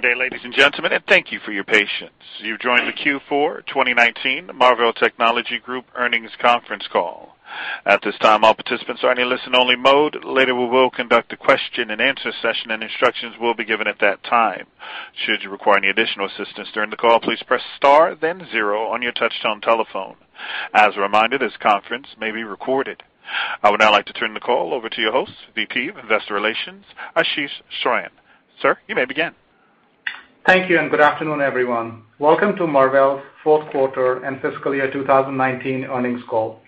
Good day, ladies and gentlemen, and thank you for your patience. You've joined the Q4 2019 Marvell Technology Group earnings conference call. At this time, all participants are in a listen-only mode. Later we will conduct a question and answer session, and instructions will be given at that time. Should you require any additional assistance during the call, please press star then zero on your touchtone telephone. As a reminder, this conference may be recorded. I would now like to turn the call over to your host, VP of Investor Relations, Ashish Saran. Sir, you may begin. Thank you, and good afternoon, everyone. Welcome to Marvell's fourth quarter and fiscal year 2019 earnings call.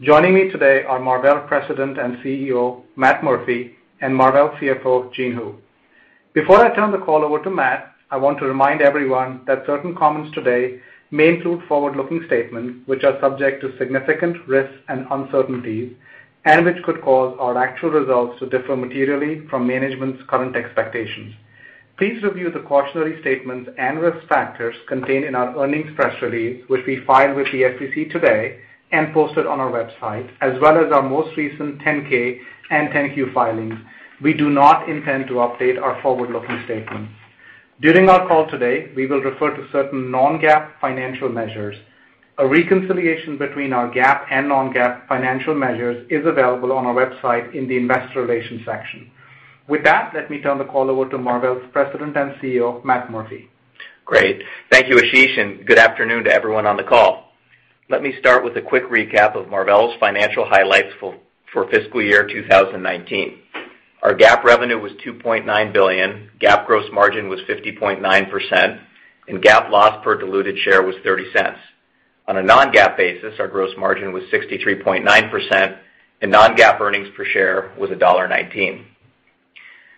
Joining me today are Marvell President and CEO, Matt Murphy, and Marvell CFO, Jean Hu. Before I turn the call over to Matt, I want to remind everyone that certain comments today may include forward-looking statements, which are subject to significant risks and uncertainties, and which could cause our actual results to differ materially from management's current expectations. Please review the cautionary statements and risk factors contained in our earnings press release, which we filed with the SEC today and posted on our website, as well as our most recent 10-K and 10-Q filings. We do not intend to update our forward-looking statements. During our call today, we will refer to certain non-GAAP financial measures. A reconciliation between our GAAP and non-GAAP financial measures is available on our website in the investor relations section. With that, let me turn the call over to Marvell's President and CEO, Matt Murphy. Great. Thank you, Ashish, and good afternoon to everyone on the call. Let me start with a quick recap of Marvell's financial highlights for fiscal year 2019. Our GAAP revenue was $2.9 billion, GAAP gross margin was 50.9%, and GAAP loss per diluted share was $0.30. On a non-GAAP basis, our gross margin was 63.9%, and non-GAAP earnings per share was $1.19.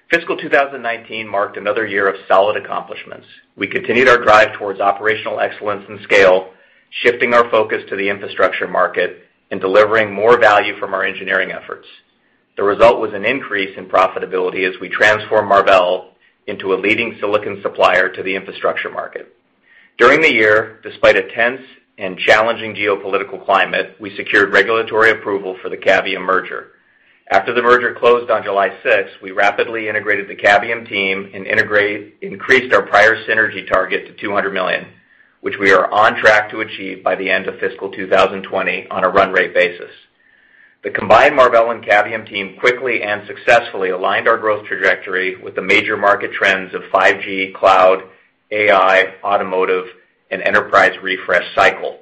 Fiscal 2019 marked another year of solid accomplishments. We continued our drive towards operational excellence and scale, shifting our focus to the infrastructure market and delivering more value from our engineering efforts. The result was an increase in profitability as we transformed Marvell into a leading silicon supplier to the infrastructure market. During the year, despite a tense and challenging geopolitical climate, we secured regulatory approval for the Cavium merger. After the merger closed on July 6th, we rapidly integrated the Cavium team and increased our prior synergy target to $200 million, which we are on track to achieve by the end of fiscal 2020 on a run rate basis. The combined Marvell and Cavium team quickly and successfully aligned our growth trajectory with the major market trends of 5G, cloud, AI, automotive, and enterprise refresh cycle.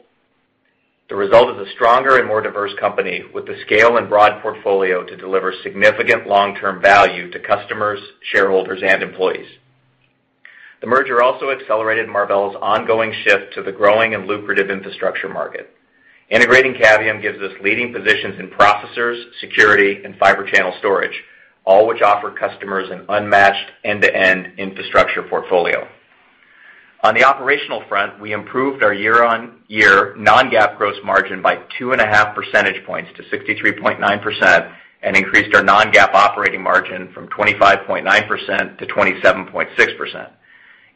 The result is a stronger and more diverse company with the scale and broad portfolio to deliver significant long-term value to customers, shareholders, and employees. The merger also accelerated Marvell's ongoing shift to the growing and lucrative infrastructure market. Integrating Cavium gives us leading positions in processors, security, and Fibre Channel storage, all which offer customers an unmatched end-to-end infrastructure portfolio. On the operational front, we improved our year-on-year non-GAAP gross margin by two and a half percentage points to 63.9% and increased our non-GAAP operating margin from 25.9% to 27.6%.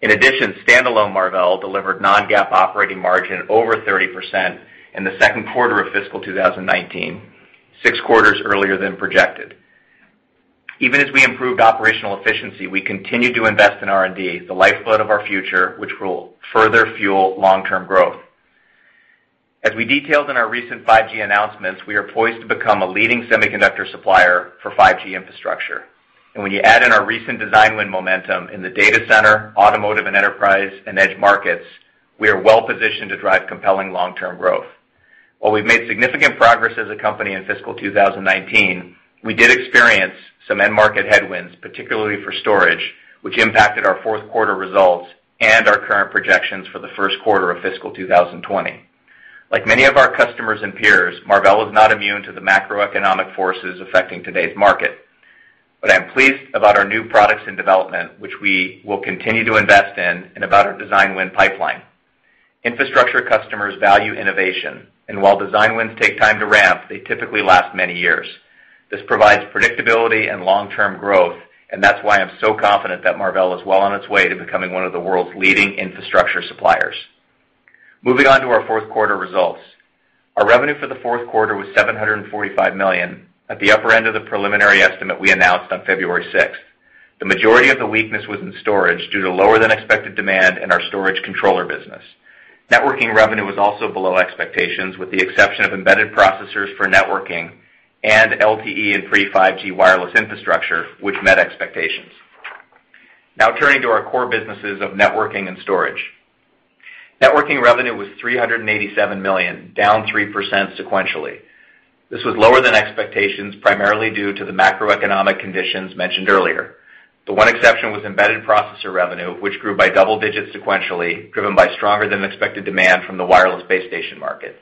In addition, standalone Marvell delivered non-GAAP operating margin over 30% in the second quarter of fiscal 2019, six quarters earlier than projected. Even as we improved operational efficiency, we continued to invest in R&D, the lifeblood of our future, which will further fuel long-term growth. As we detailed in our recent 5G announcements, we are poised to become a leading semiconductor supplier for 5G infrastructure. When you add in our recent design win momentum in the data center, automotive, and enterprise and edge markets, we are well positioned to drive compelling long-term growth. While we've made significant progress as a company in fiscal 2019, we did experience some end market headwinds, particularly for storage, which impacted our fourth quarter results and our current projections for the first quarter of fiscal 2020. Like many of our customers and peers, Marvell is not immune to the macroeconomic forces affecting today's market. I'm pleased about our new products in development, which we will continue to invest in, and about our design win pipeline. Infrastructure customers value innovation, and while design wins take time to ramp, they typically last many years. This provides predictability and long-term growth, and that's why I'm so confident that Marvell is well on its way to becoming one of the world's leading infrastructure suppliers. Moving on to our fourth quarter results. Our revenue for the fourth quarter was $745 million, at the upper end of the preliminary estimate we announced on February 6th. The majority of the weakness was in storage due to lower than expected demand in our storage controller business. Networking revenue was also below expectations, with the exception of embedded processors for networking and LTE and pre-5G wireless infrastructure, which met expectations. Turning to our core businesses of networking and storage. Networking revenue was $387 million, down 3% sequentially. This was lower than expectations, primarily due to the macroeconomic conditions mentioned earlier. The one exception was embedded processor revenue, which grew by double digits sequentially, driven by stronger than expected demand from the wireless base station market.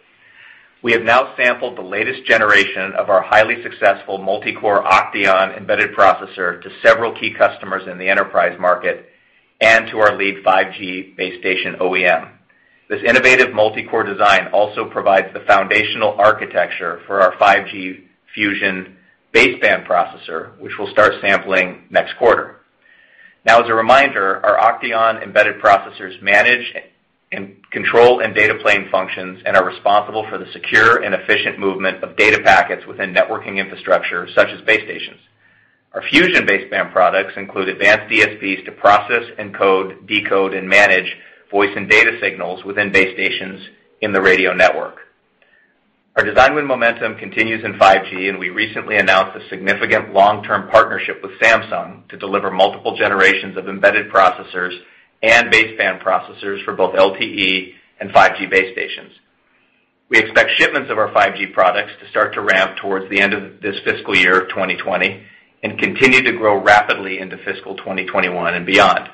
We have now sampled the latest generation of our highly successful multi-core OCTEON embedded processor to several key customers in the enterprise market and to our lead 5G base station OEM. This innovative multi-core design also provides the foundational architecture for our 5G Fusion baseband processor, which we'll start sampling next quarter. As a reminder, our OCTEON embedded processors manage and control and data plane functions and are responsible for the secure and efficient movement of data packets within networking infrastructure such as base stations. Our Fusion baseband products include advanced DSPs to process, encode, decode, and manage voice and data signals within base stations in the radio network. Our design win momentum continues in 5G, and we recently announced a significant long-term partnership with Samsung to deliver multiple generations of embedded processors and baseband processors for both LTE and 5G base stations. We expect shipments of our 5G products to start to ramp towards the end of this fiscal year 2020 and continue to grow rapidly into fiscal 2021 and beyond.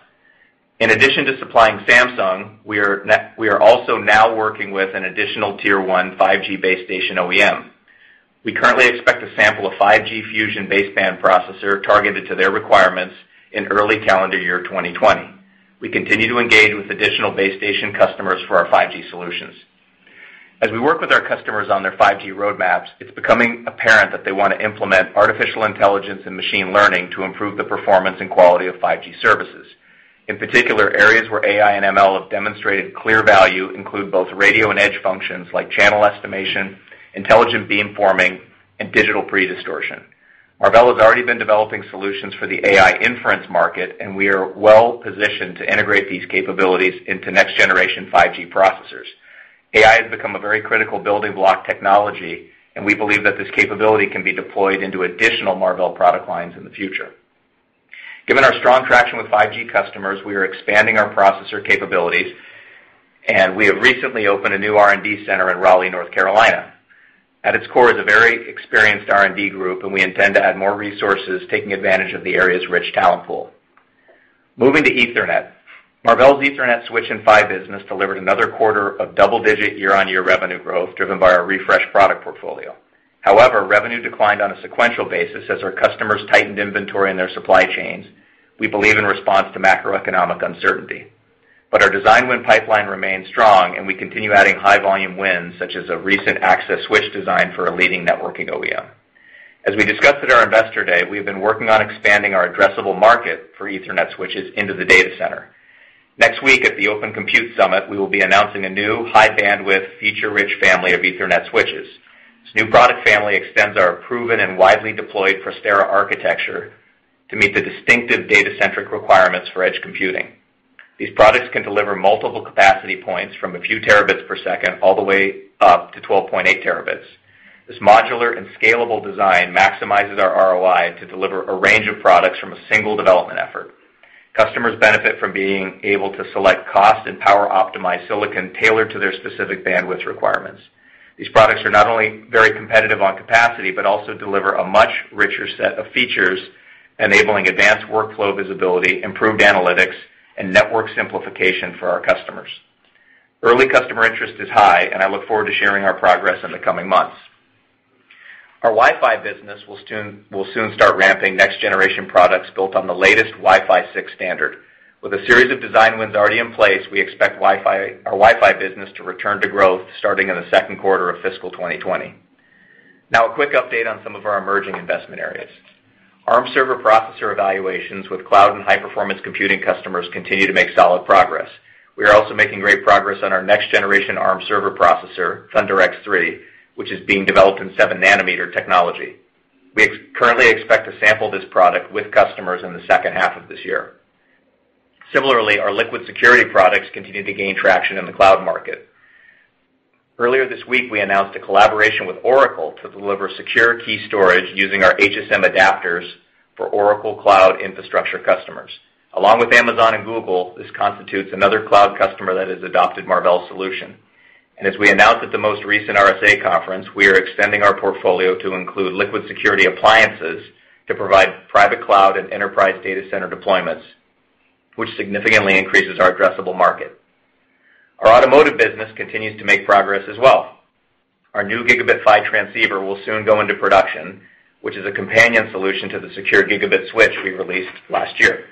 In addition to supplying Samsung, we are also now working with an additional tier 1 5G base station OEM. We currently expect to sample a 5G Fusion baseband processor targeted to their requirements in early calendar year 2020. We continue to engage with additional base station customers for our 5G solutions. As we work with our customers on their 5G roadmaps, it's becoming apparent that they want to implement artificial intelligence and machine learning to improve the performance and quality of 5G services. In particular, areas where AI and ML have demonstrated clear value include both radio and edge functions like channel estimation, intelligent beamforming, and digital pre-distortion. Marvell has already been developing solutions for the AI inference market, and we are well-positioned to integrate these capabilities into next-generation 5G processors. AI has become a very critical building block technology, and we believe that this capability can be deployed into additional Marvell product lines in the future. Given our strong traction with 5G customers, we are expanding our processor capabilities, and we have recently opened a new R&D center in Raleigh, North Carolina. At its core is a very experienced R&D group, and we intend to add more resources, taking advantage of the area's rich talent pool. Moving to Ethernet. Marvell's Ethernet switch and PHY business delivered another quarter of double-digit year-on-year revenue growth driven by our refreshed product portfolio. However, revenue declined on a sequential basis as our customers tightened inventory in their supply chains, we believe in response to macroeconomic uncertainty. Our design win pipeline remains strong, and we continue adding high-volume wins, such as a recent access switch design for a leading networking OEM. As we discussed at our Investor Day, we have been working on expanding our addressable market for Ethernet switches into the data center. Next week at the Open Compute Summit, we will be announcing a new high-bandwidth, feature-rich family of Ethernet switches. This new product family extends our proven and widely deployed Prestera architecture to meet the distinctive data-centric requirements for edge computing. These products can deliver multiple capacity points from a few terabits per second all the way up to 12.8 terabits. This modular and scalable design maximizes our ROI to deliver a range of products from a single development effort. Customers benefit from being able to select cost and power-optimized silicon tailored to their specific bandwidth requirements. These products are not only very competitive on capacity but also deliver a much richer set of features, enabling advanced workflow visibility, improved analytics, and network simplification for our customers. Early customer interest is high, and I look forward to sharing our progress in the coming months. Our Wi-Fi business will soon start ramping next-generation products built on the latest Wi-Fi 6 standard. With a series of design wins already in place, we expect our Wi-Fi business to return to growth starting in the second quarter of fiscal 2020. Now, a quick update on some of our emerging investment areas. Arm server processor evaluations with cloud and high-performance computing customers continue to make solid progress. We are also making great progress on our next-generation Arm server processor, ThunderX3, which is being developed in seven-nanometer technology. We currently expect to sample this product with customers in the second half of this year. Similarly, our Liquid Security products continue to gain traction in the cloud market. Earlier this week, we announced a collaboration with Oracle to deliver secure key storage using our HSM adapters for Oracle Cloud Infrastructure customers. Along with Amazon and Google, this constitutes another cloud customer that has adopted Marvell's solution. As we announced at the most recent RSA Conference, we are extending our portfolio to include Liquid Security appliances to provide private cloud and enterprise data center deployments, which significantly increases our addressable market. Our automotive business continues to make progress as well. Our new gigabit PHY transceiver will soon go into production, which is a companion solution to the secure gigabit switch we released last year.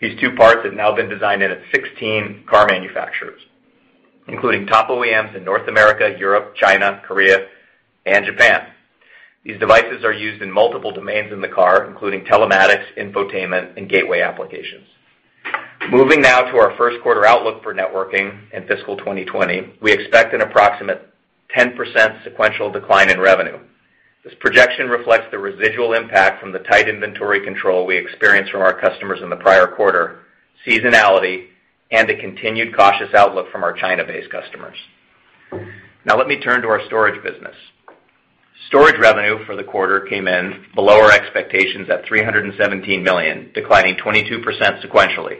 These two parts have now been designed into 16 car manufacturers, including top OEMs in North America, Europe, China, Korea, and Japan. These devices are used in multiple domains in the car, including telematics, infotainment, and gateway applications. Moving now to our first quarter outlook for networking in fiscal 2020. We expect an approximate 10% sequential decline in revenue. This projection reflects the residual impact from the tight inventory control we experienced from our customers in the prior quarter, seasonality, and a continued cautious outlook from our China-based customers. Now let me turn to our storage business. Storage revenue for the quarter came in below our expectations at $317 million, declining 22% sequentially.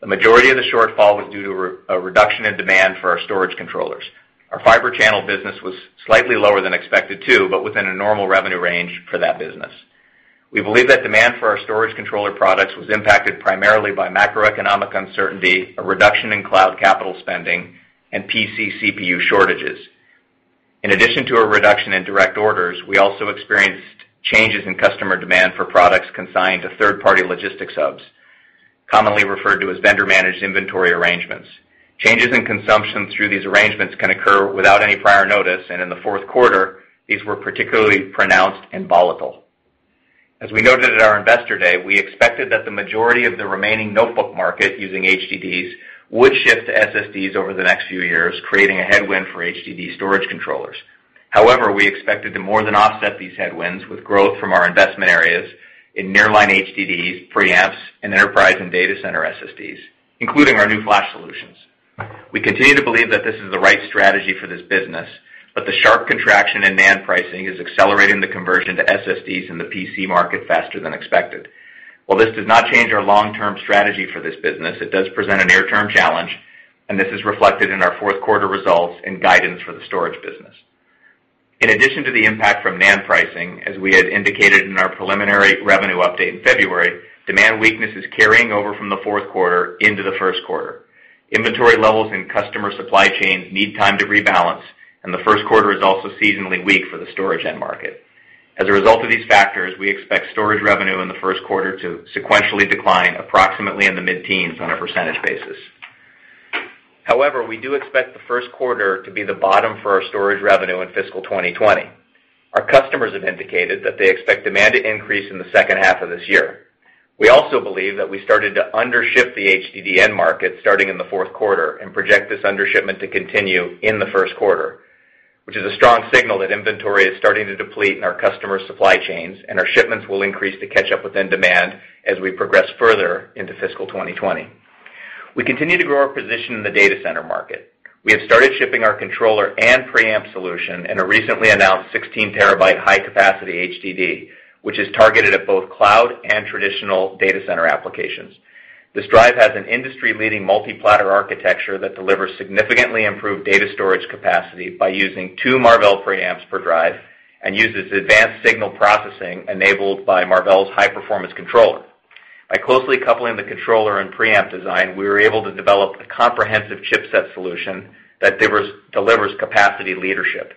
The majority of the shortfall was due to a reduction in demand for our storage controllers. Our Fibre Channel business was slightly lower than expected too, but within a normal revenue range for that business. We believe that demand for our storage controller products was impacted primarily by macroeconomic uncertainty, a reduction in cloud capital spending, and PC CPU shortages. In addition to a reduction in direct orders, we also experienced changes in customer demand for products consigned to third-party logistics hubs, commonly referred to as vendor-managed inventory arrangements. Changes in consumption through these arrangements can occur without any prior notice, and in the fourth quarter, these were particularly pronounced and volatile. As we noted at our investor day, we expected that the majority of the remaining notebook market using HDDs would shift to SSDs over the next few years, creating a headwind for HDD storage controllers. However, we expected to more than offset these headwinds with growth from our investment areas in Nearline HDDs, preamps, and enterprise and data center SSDs, including our new flash solutions. The sharp contraction in NAND pricing is accelerating the conversion to SSDs in the PC market faster than expected. While this does not change our long-term strategy for this business, it does present a near-term challenge, and this is reflected in our fourth quarter results and guidance for the storage business. In addition to the impact from NAND pricing, as we had indicated in our preliminary revenue update in February, demand weakness is carrying over from the fourth quarter into the first quarter. Inventory levels and customer supply chains need time to rebalance, and the first quarter is also seasonally weak for the storage end market. As a result of these factors, we expect storage revenue in the first quarter to sequentially decline approximately in the mid-teens on a percentage basis. We do expect the first quarter to be the bottom for our storage revenue in fiscal 2020. Our customers have indicated that they expect demand to increase in the second half of this year. We also believe that we started to undership the HDD end market starting in the fourth quarter, and project this undershipment to continue in the first quarter, which is a strong signal that inventory is starting to deplete in our customer supply chains, and our shipments will increase to catch up with end demand as we progress further into fiscal 2020. We continue to grow our position in the data center market. We have started shipping our controller and preamp solution in a recently announced 16 terabyte high-capacity HDD, which is targeted at both cloud and traditional data center applications. This drive has an industry-leading multi-platter architecture that delivers significantly improved data storage capacity by using two Marvell preamps per drive, and uses advanced signal processing enabled by Marvell's high-performance controller. By closely coupling the controller and preamp design, we were able to develop a comprehensive chipset solution that delivers capacity leadership.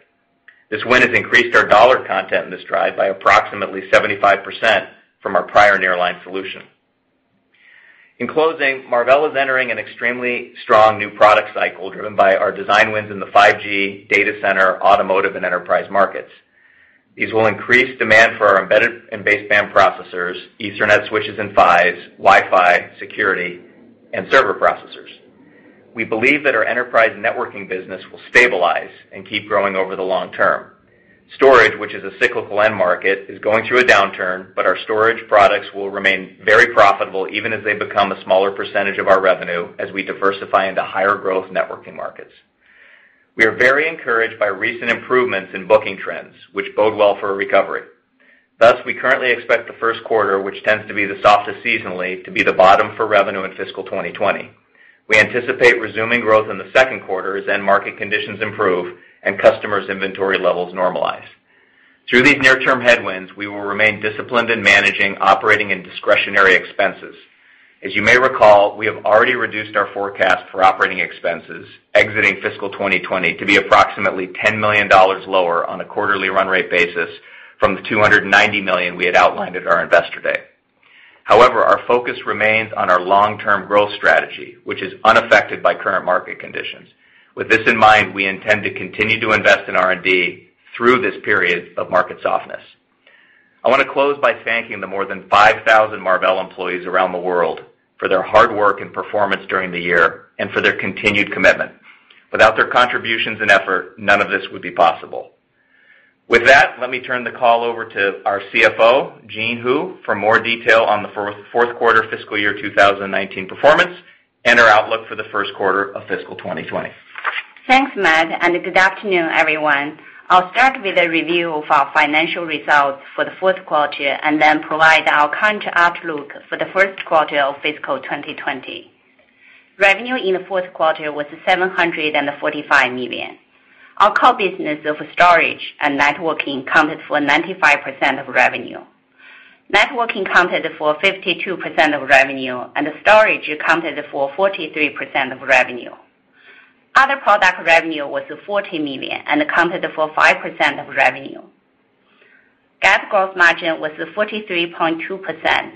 This win has increased our dollar content in this drive by approximately 75% from our prior Nearline solution. In closing, Marvell is entering an extremely strong new product cycle driven by our design wins in the 5G data center, automotive, and enterprise markets. These will increase demand for our embedded and baseband processors, Ethernet switches and PHYs, Wi-Fi, security, and server processors. We believe that our enterprise networking business will stabilize and keep growing over the long term. Storage, which is a cyclical end market, is going through a downturn, but our storage products will remain very profitable even as they become a smaller percentage of our revenue as we diversify into higher growth networking markets. We are very encouraged by recent improvements in booking trends, which bode well for a recovery. Thus, we currently expect the first quarter, which tends to be the softest seasonally, to be the bottom for revenue in fiscal 2020. We anticipate resuming growth in the second quarter as end market conditions improve and customers' inventory levels normalize. Through these near-term headwinds, we will remain disciplined in managing operating and discretionary expenses. As you may recall, we have already reduced our forecast for operating expenses exiting fiscal 2020 to be approximately $10 million lower on a quarterly run rate basis from the $290 million we had outlined at our investor day. Our focus remains on our long-term growth strategy, which is unaffected by current market conditions. With this in mind, we intend to continue to invest in R&D through this period of market softness. I want to close by thanking the more than 5,000 Marvell employees around the world for their hard work and performance during the year and for their continued commitment. Without their contributions and effort, none of this would be possible. With that, let me turn the call over to our CFO, Jean Hu, for more detail on the fourth quarter fiscal year 2019 performance and our outlook for the first quarter of fiscal 2020. Thanks, Matt, and good afternoon, everyone. I'll start with a review of our financial results for the fourth quarter and then provide our current outlook for the first quarter of fiscal 2020. Revenue in the fourth quarter was $745 million. Our core business of storage and networking accounted for 95% of revenue. Networking accounted for 52% of revenue, and storage accounted for 43% of revenue. Other product revenue was $40 million and accounted for 5% of revenue. GAAP gross margin was 43.2%,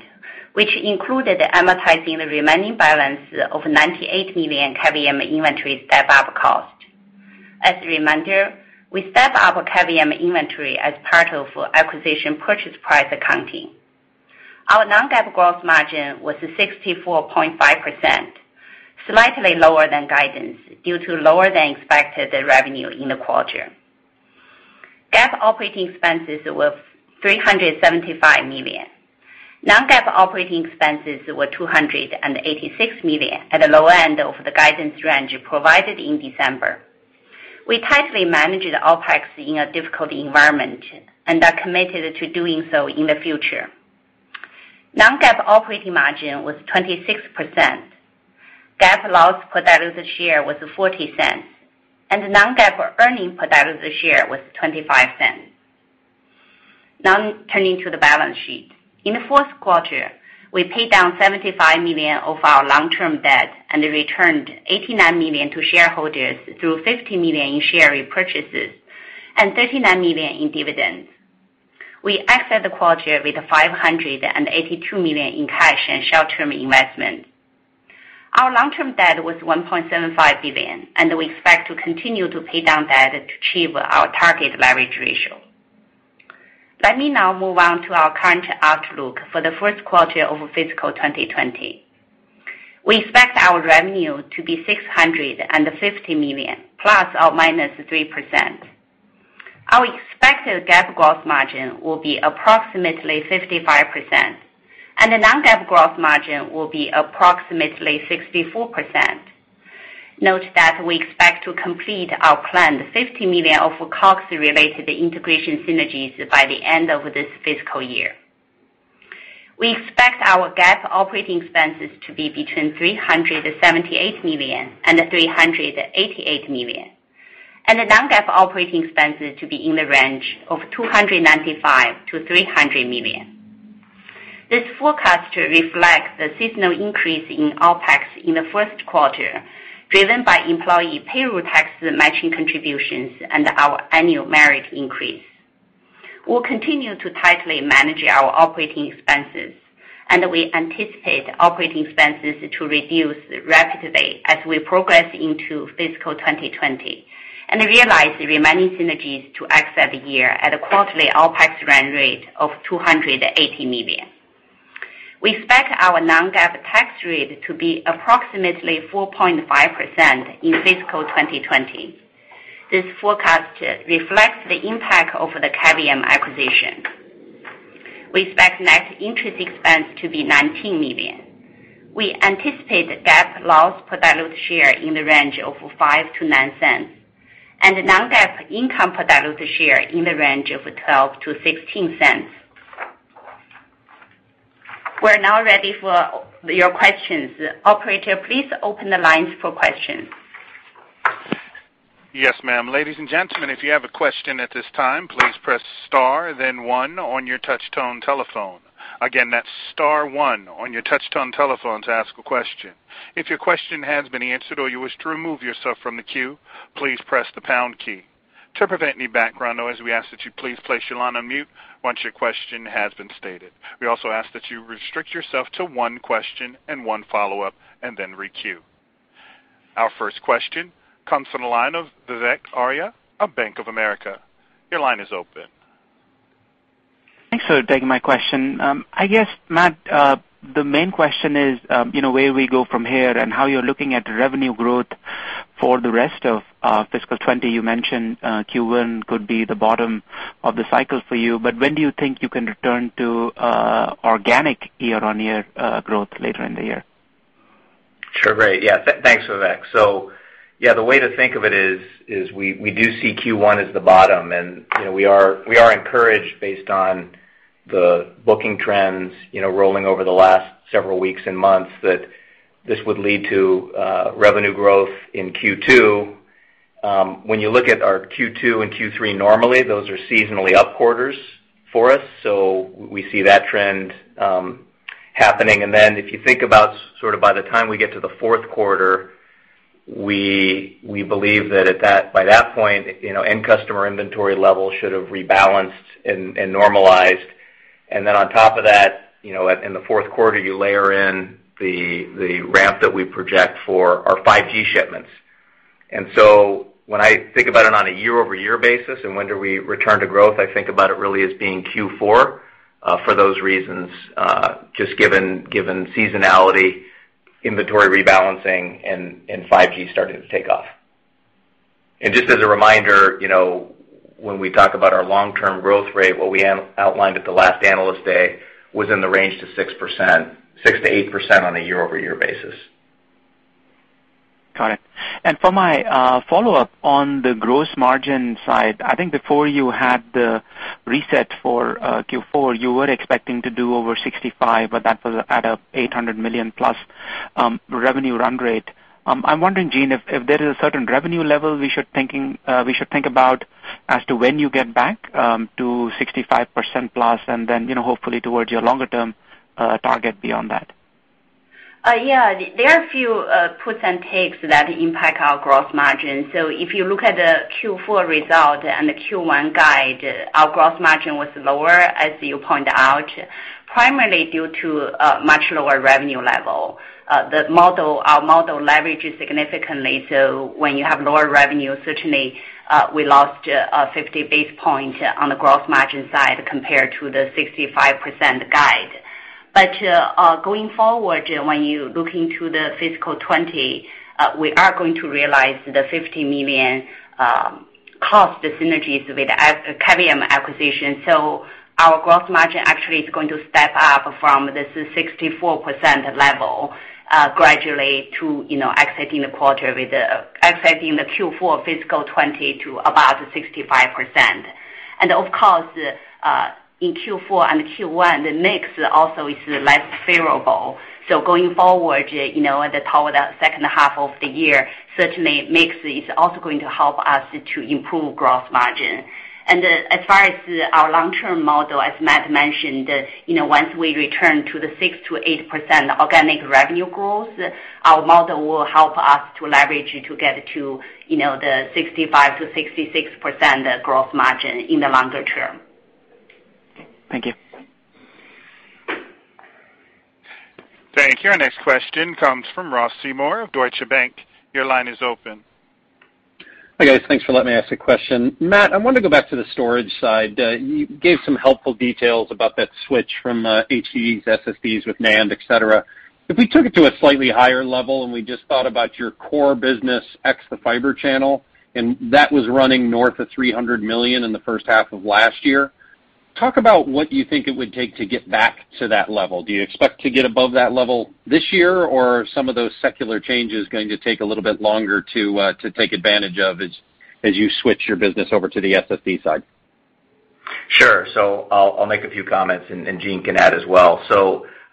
which included amortizing the remaining balance of $98 million Cavium inventory step-up cost. As a reminder, we step up our Cavium inventory as part of acquisition purchase price accounting. Our non-GAAP gross margin was 64.5%, slightly lower than guidance due to lower than expected revenue in the quarter. GAAP operating expenses were $375 million. Non-GAAP operating expenses were $286 million at the low end of the guidance range provided in December. We tightly managed OpEx in a difficult environment and are committed to doing so in the future. Non-GAAP operating margin was 26%. GAAP loss per diluted share was $0.40, and non-GAAP earnings per diluted share was $0.25. Now, turning to the balance sheet. In the fourth quarter, we paid down $75 million of our long-term debt and returned $89 million to shareholders through $50 million in share repurchases and $39 million in dividends. We exit the quarter with $582 million in cash and short-term investments. Our long-term debt was $1.75 billion, and we expect to continue to pay down debt to achieve our target leverage ratio. Let me now move on to our current outlook for the first quarter of fiscal 2020. We expect our revenue to be $650 million, ±3%. Our expected GAAP gross margin will be approximately 55%, and the non-GAAP gross margin will be approximately 64%. Note that we expect to complete our planned $50 million of COGS-related integration synergies by the end of this fiscal year. We expect our GAAP operating expenses to be between $378 million and $388 million, and the non-GAAP operating expenses to be in the range of $295 million to $300 million. This forecast reflects the seasonal increase in OpEx in the first quarter, driven by employee payroll taxes, matching contributions, and our annual merit increase. We'll continue to tightly manage our operating expenses, and we anticipate operating expenses to reduce rapidly as we progress into fiscal 2020 and realize the remaining synergies to exit the year at a quarterly OpEx run rate of $280 million. We expect our non-GAAP tax rate to be approximately 4.5% in fiscal 2020. This forecast reflects the impact of the Cavium acquisition. We expect net interest expense to be $19 million. We anticipate GAAP loss per diluted share in the range of $0.05-$0.09 and non-GAAP income per diluted share in the range of $0.12-$0.16. We're now ready for your questions. Operator, please open the lines for questions. Yes, ma'am. Ladies and gentlemen, if you have a question at this time, please press star then one on your touch tone telephone. Again, that's star one on your touch tone telephone to ask a question. If your question has been answered or you wish to remove yourself from the queue, please press the pound key. To prevent any background noise, we ask that you please place your line on mute once your question has been stated. We also ask that you restrict yourself to one question and one follow-up, and then re-queue. Our first question comes from the line of Vivek Arya of Bank of America. Your line is open. Thanks for taking my question. I guess, Matt, the main question is where we go from here and how you're looking at revenue growth for the rest of fiscal 2020. You mentioned Q1 could be the bottom of the cycle for you, when do you think you can return to organic year-on-year growth later in the year? Sure. Great. Yeah, thanks, Vivek. Yeah, the way to think of it is, we do see Q1 as the bottom. We are encouraged based on the booking trends rolling over the last several weeks and months that this would lead to revenue growth in Q2. When you look at our Q2 and Q3, normally, those are seasonally up quarters for us. We see that trend happening. If you think about by the time we get to the fourth quarter, we believe that by that point, end customer inventory levels should have rebalanced and normalized. On top of that, in the fourth quarter, you layer in the ramp that we project for our 5G shipments. When I think about it on a year-over-year basis and when do we return to growth, I think about it really as being Q4 for those reasons, just given seasonality, inventory rebalancing, and 5G starting to take off. Just as a reminder, when we talk about our long-term growth rate, what we outlined at the last Analyst Day was in the range to 6%-8% on a year-over-year basis. Got it. For my follow-up on the gross margin side, I think before you had the reset for Q4, you were expecting to do over 65%, but that was at a $800 million-plus revenue run rate. I'm wondering, Jean, if there is a certain revenue level we should think about as to when you get back to 65%-plus, and then hopefully towards your longer-term target beyond that. Yeah. There are a few puts and takes that impact our gross margin. If you look at the Q4 result and the Q1 guide, our gross margin was lower, as you point out, primarily due to a much lower revenue level. Our model leverages significantly, when you have lower revenue, certainly, we lost a 50 basis points on the gross margin side compared to the 65% guide. Going forward, when you look into the fiscal 2020, we are going to realize the $50 million cost synergies with the Cavium acquisition. Our gross margin actually is going to step up from this 64% level gradually to exiting the Q4 fiscal 2020 to about 65%. Of course, in Q4 and Q1, the mix also is less favorable. Going forward, the power of that second half of the year certainly makes this also going to help us to improve gross margin. As far as our long-term model, as Matt mentioned, once we return to the 6%-8% organic revenue growth, our model will help us to leverage it to get to the 65%-66% gross margin in the longer term. Thank you. Thank you. Our next question comes from Ross Seymore of Deutsche Bank. Your line is open. Hi, guys. Thanks for letting me ask a question. Matt, I want to go back to the storage side. You gave some helpful details about that switch from HDDs, SSDs with NAND, et cetera. If we took it to a slightly higher level and we just thought about your core business, X, the Fibre Channel, and that was running north of $300 million in the first half of last year, talk about what you think it would take to get back to that level. Do you expect to get above that level this year, or are some of those secular changes going to take a little bit longer to take advantage of as you switch your business over to the SSD side? Sure. I'll make a few comments and Jean can add as well.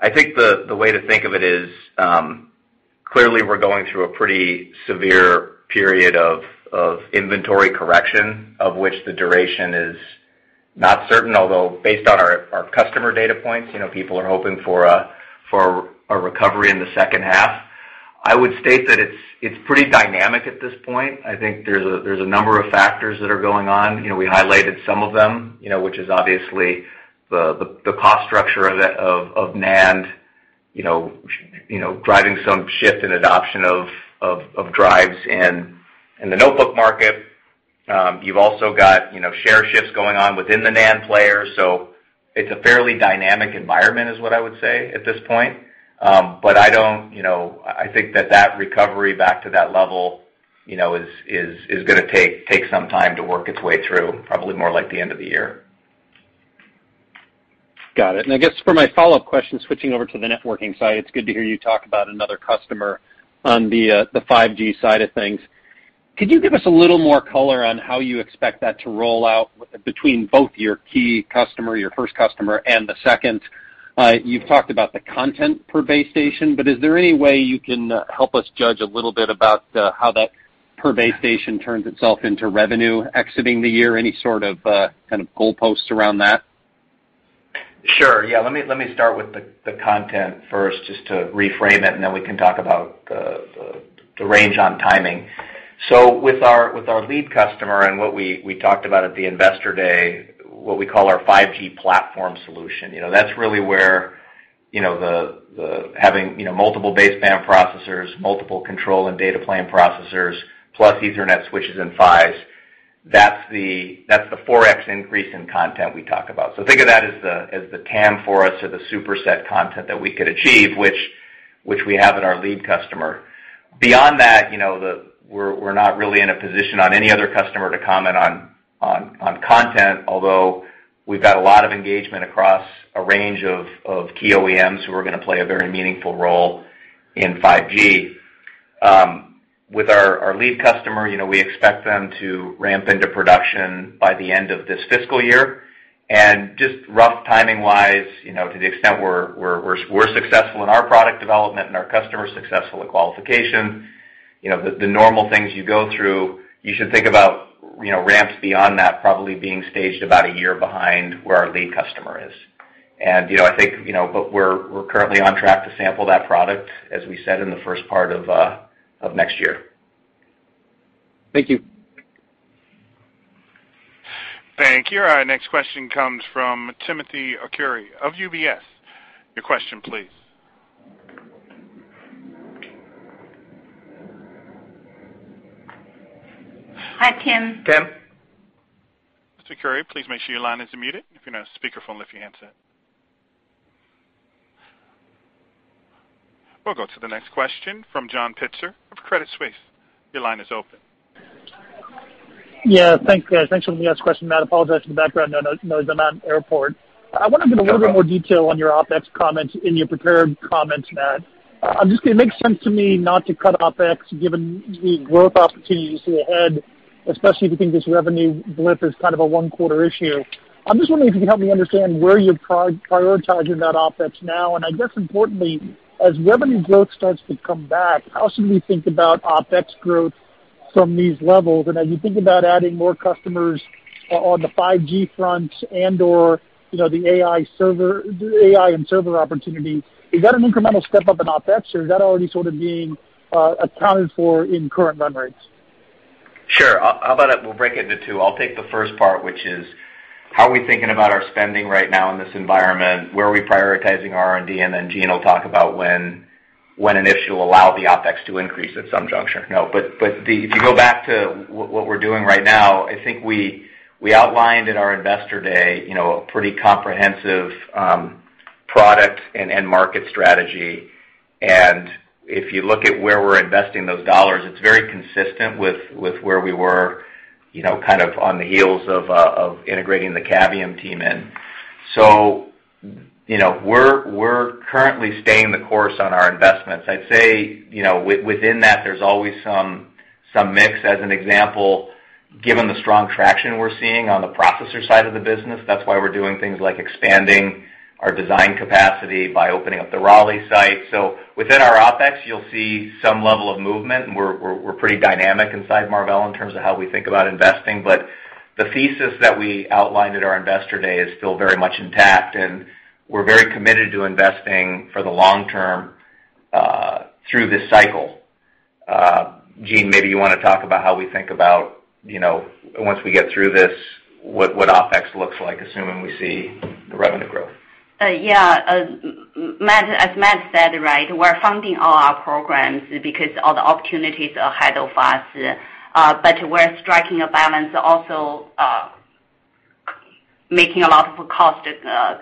I think the way to think of it is, clearly we're going through a pretty severe period of inventory correction, of which the duration is not certain, although, based on our customer data points, people are hoping for a recovery in the second half. I would state that it's pretty dynamic at this point. I think there's a number of factors that are going on. We highlighted some of them, which is obviously the cost structure of NAND driving some shift in adoption of drives in the notebook market. You've also got share shifts going on within the NAND player. It's a fairly dynamic environment is what I would say at this point. I think that recovery back to that level is going to take some time to work its way through, probably more like the end of the year. Got it. I guess for my follow-up question, switching over to the networking side, it's good to hear you talk about another customer on the 5G side of things. Could you give us a little more color on how you expect that to roll out between both your key customer, your first customer, and the second? You've talked about the content per base station, but is there any way you can help us judge a little bit about how that per base station turns itself into revenue exiting the year? Any sort of goalposts around that? Sure. Yeah. Let me start with the content first just to reframe it, and then we can talk about the range on timing. With our lead customer and what we talked about at the investor day, what we call our 5G platform solution, that's really where having multiple baseband processors, multiple control and data plane processors, plus Ethernet switches and PHYs, that's the 4x increase in content we talk about. Think of that as the TAM for us or the superset content that we could achieve, which we have in our lead customer. Beyond that, we're not really in a position on any other customer to comment on content, although we've got a lot of engagement across a range of key OEMs who are going to play a very meaningful role in 5G. With our lead customer, we expect them to ramp into production by the end of this fiscal year. Just rough timing-wise, to the extent we're successful in our product development and our customer's successful at qualification, the normal things you go through, you should think about ramps beyond that probably being staged about a year behind where our lead customer is. I think we're currently on track to sample that product, as we said, in the first part of next year. Thank you. Thank you. Our next question comes from Timothy Arcuri of UBS. Your question, please. Hi, Tim. Tim. Mr. Arcuri, please make sure your line isn't muted. If you're on speaker phone, lift your handset. We'll go to the next question from John Pitzer of Credit Suisse. Your line is open. Yeah. Thanks, guys. Thanks for letting me ask a question. Matt, I apologize for the background noise. I'm at an airport. I wonder if you could give a little bit more detail on your OpEx comments in your prepared comments, Matt. It makes sense to me not to cut OpEx, given the growth opportunities you see ahead, especially if you think this revenue blip is kind of a one-quarter issue. I'm just wondering if you could help me understand where you're prioritizing that OpEx now. I guess importantly, as revenue growth starts to come back, how should we think about OpEx growth from these levels? As you think about adding more customers on the 5G front and/or the AI and server opportunity, is that an incremental step up in OpEx, or is that already sort of being accounted for in current run rates? Sure. How about we'll break it into two. I'll take the first part, which is, how are we thinking about our spending right now in this environment? Where are we prioritizing R&D? Then Jean will talk about when an issue will allow the OpEx to increase at some juncture. If you go back to what we're doing right now, I think we outlined at our investor day a pretty comprehensive product and end market strategy. If you look at where we're investing those dollars, it's very consistent with where we were on the heels of integrating the Cavium team in. We're currently staying the course on our investments. I'd say within that, there's always some mix. As an example, given the strong traction we're seeing on the processor side of the business, that's why we're doing things like expanding our design capacity by opening up the Raleigh site. Within our OpEx, you'll see some level of movement, and we're pretty dynamic inside Marvell in terms of how we think about investing. The thesis that we outlined at our investor day is still very much intact, and we're very committed to investing for the long term through this cycle. Jean, maybe you want to talk about how we think about, once we get through this, what OpEx looks like, assuming we see the revenue growth. Yeah. As Matt said, we're funding all our programs because all the opportunities ahead of us. We're striking a balance, also making a lot of cost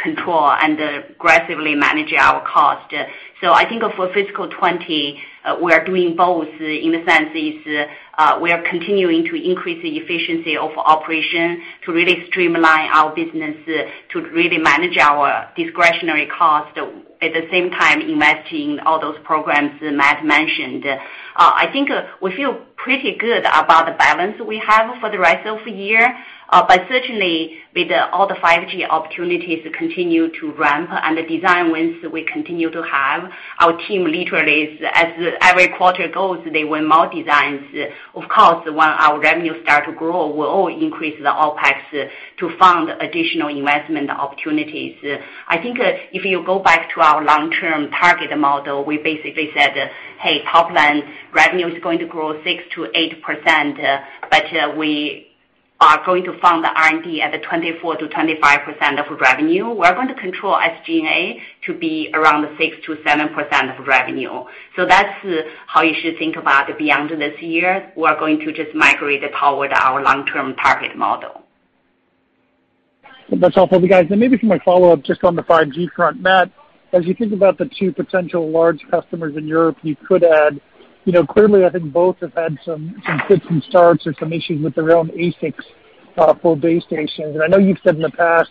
control and aggressively managing our cost. I think for fiscal 2020, we are doing both, in a sense is, we are continuing to increase the efficiency of operation to really streamline our business, to really manage our discretionary cost, at the same time investing all those programs Matt mentioned. I think we feel pretty good about the balance we have for the rest of the year. Certainly, with all the 5G opportunities continue to ramp and the design wins we continue to have, our team literally is, as every quarter goes, they win more designs. Of course, when our revenue start to grow, we'll all increase the OpEx to fund additional investment opportunities. I think if you go back to our long-term target model, we basically said, "Hey, top line revenue is going to grow 6%-8%, but we are going to fund the R&D at the 24%-25% of revenue." We're going to control SG&A to be around 6%-7% of revenue. That's how you should think about beyond this year. We are going to just migrate toward our long-term target model. That's all for me, guys. Maybe for my follow-up, just on the 5G front. Matt, as you think about the two potential large customers in Europe you could add, clearly, I think both have had some fits and starts or some issues with their own ASICs for base stations. I know you've said in the past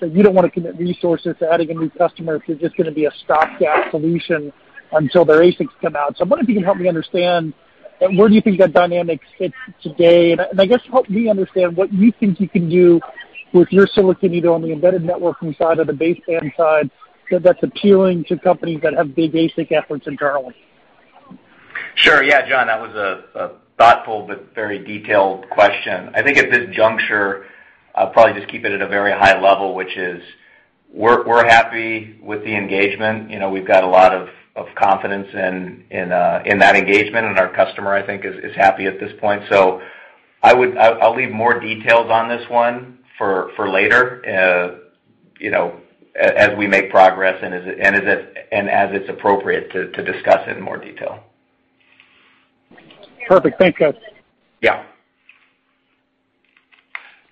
that you don't want to commit resources to adding a new customer if you're just going to be a stopgap solution until their ASICs come out. I wonder if you can help me understand where do you think that dynamic sits today. I guess help me understand what you think you can do with your silicon, either on the embedded networking side or the baseband side, that's appealing to companies that have big ASIC efforts internally. Sure. John, that was a thoughtful but very detailed question. I think at this juncture, I'll probably just keep it at a very high level, which is, we're happy with the engagement. We've got a lot of confidence in that engagement, and our customer, I think, is happy at this point. I'll leave more details on this one for later, as we make progress and as it's appropriate to discuss it in more detail. Perfect. Thanks, guys. Yeah.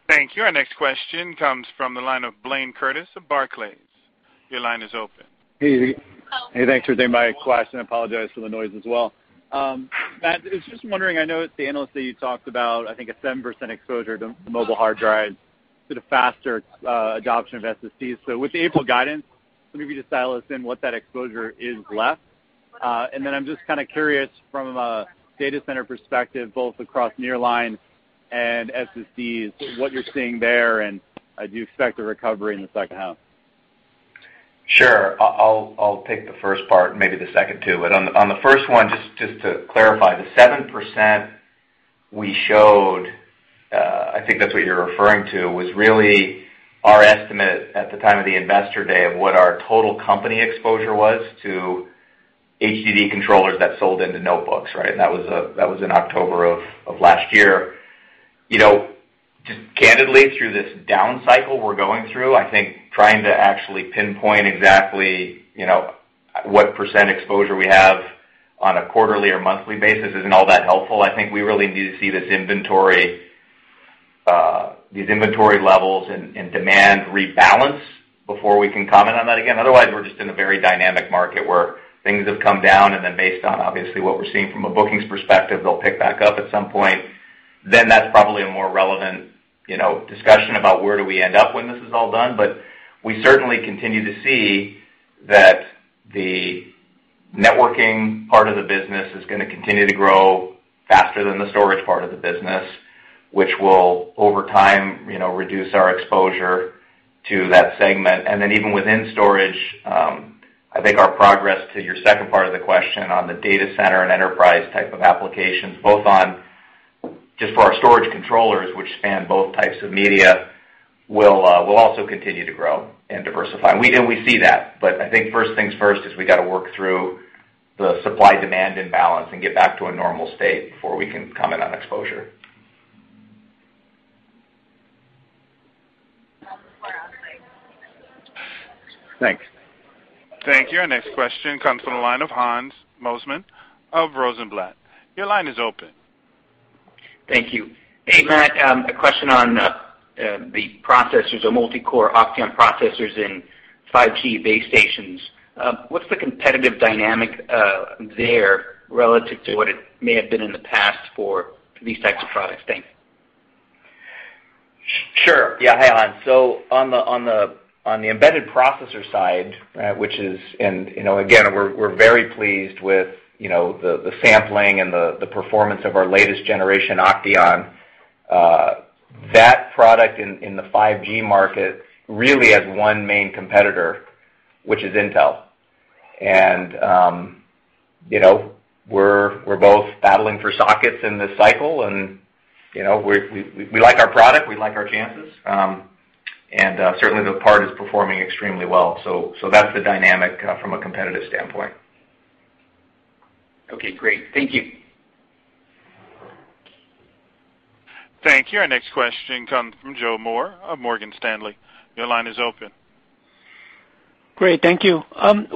Thank you. Our next question comes from the line of Blayne Curtis of Barclays. Your line is open. Hey, thanks for taking my question. I apologize for the noise as well. Matt, I was just wondering, I know at the analyst day you talked about, I think, a 7% exposure to mobile hard drives due to faster adoption of SSDs. With the April guidance, maybe just dial us in what that exposure is left. And then I'm just kind of curious from a data center perspective, both across Nearline and SSDs, what you're seeing there, and do you expect a recovery in the second half? Sure. I'll take the first part and maybe the second, too. On the first one, just to clarify, the 7% we showed, I think that's what you're referring to, was really our estimate at the time of the investor day of what our total company exposure was to HDD controllers that sold into notebooks. That was in October of last year. Just candidly, through this down cycle we're going through, I think trying to actually pinpoint exactly what % exposure we have on a quarterly or monthly basis isn't all that helpful. I think we really need to see these inventory levels and demand rebalance before we can comment on that again. Otherwise, we're just in a very dynamic market where things have come down. Then based on obviously what we're seeing from a bookings perspective, they'll pick back up at some point. That's probably a more relevant discussion about where do we end up when this is all done. We certainly continue to see that the networking part of the business is going to continue to grow faster than the storage part of the business, which will over time reduce our exposure to that segment. Even within storage, I think our progress to your second part of the question on the data center and enterprise type of applications, both on just for our storage controllers, which span both types of media, will also continue to grow and diversify. We see that, but I think first things first is we got to work through the supply-demand imbalance and get back to a normal state before we can comment on exposure. Thanks. Thank you. Our next question comes from the line of Hans Mosesmann of Rosenblatt. Your line is open. Thank you. Hey, Matt, a question on the processors or multi-core OCTEON processors in 5G base stations. What's the competitive dynamic there relative to what it may have been in the past for these types of products? Thanks. Sure. Yeah. Hey, Hans. On the embedded processor side, again, we're very pleased with the sampling and the performance of our latest generation OCTEON. That product in the 5G market really has one main competitor, which is Intel. We're both battling for sockets in this cycle, and we like our product, we like our chances. Certainly, the part is performing extremely well. That's the dynamic from a competitive standpoint. Okay, great. Thank you. Thank you. Our next question comes from Joseph Moore of Morgan Stanley. Your line is open. Great. Thank you.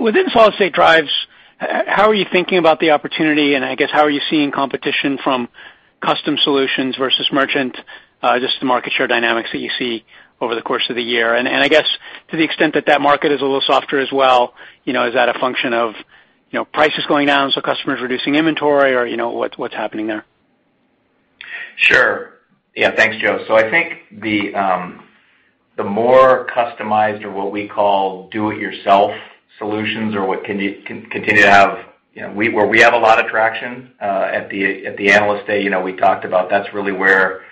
Within solid-state drives, how are you thinking about the opportunity, and I guess how are you seeing competition from custom solutions versus merchant, just the market share dynamics that you see over the course of the year? I guess to the extent that that market is a little softer as well, is that a function of prices going down so customers reducing inventory or what's happening there? Sure. Yeah. Thanks, Joe. I think the more customized or what we call do it yourself solutions are where we have a lot of traction. At the Analyst Day, we talked about that's really where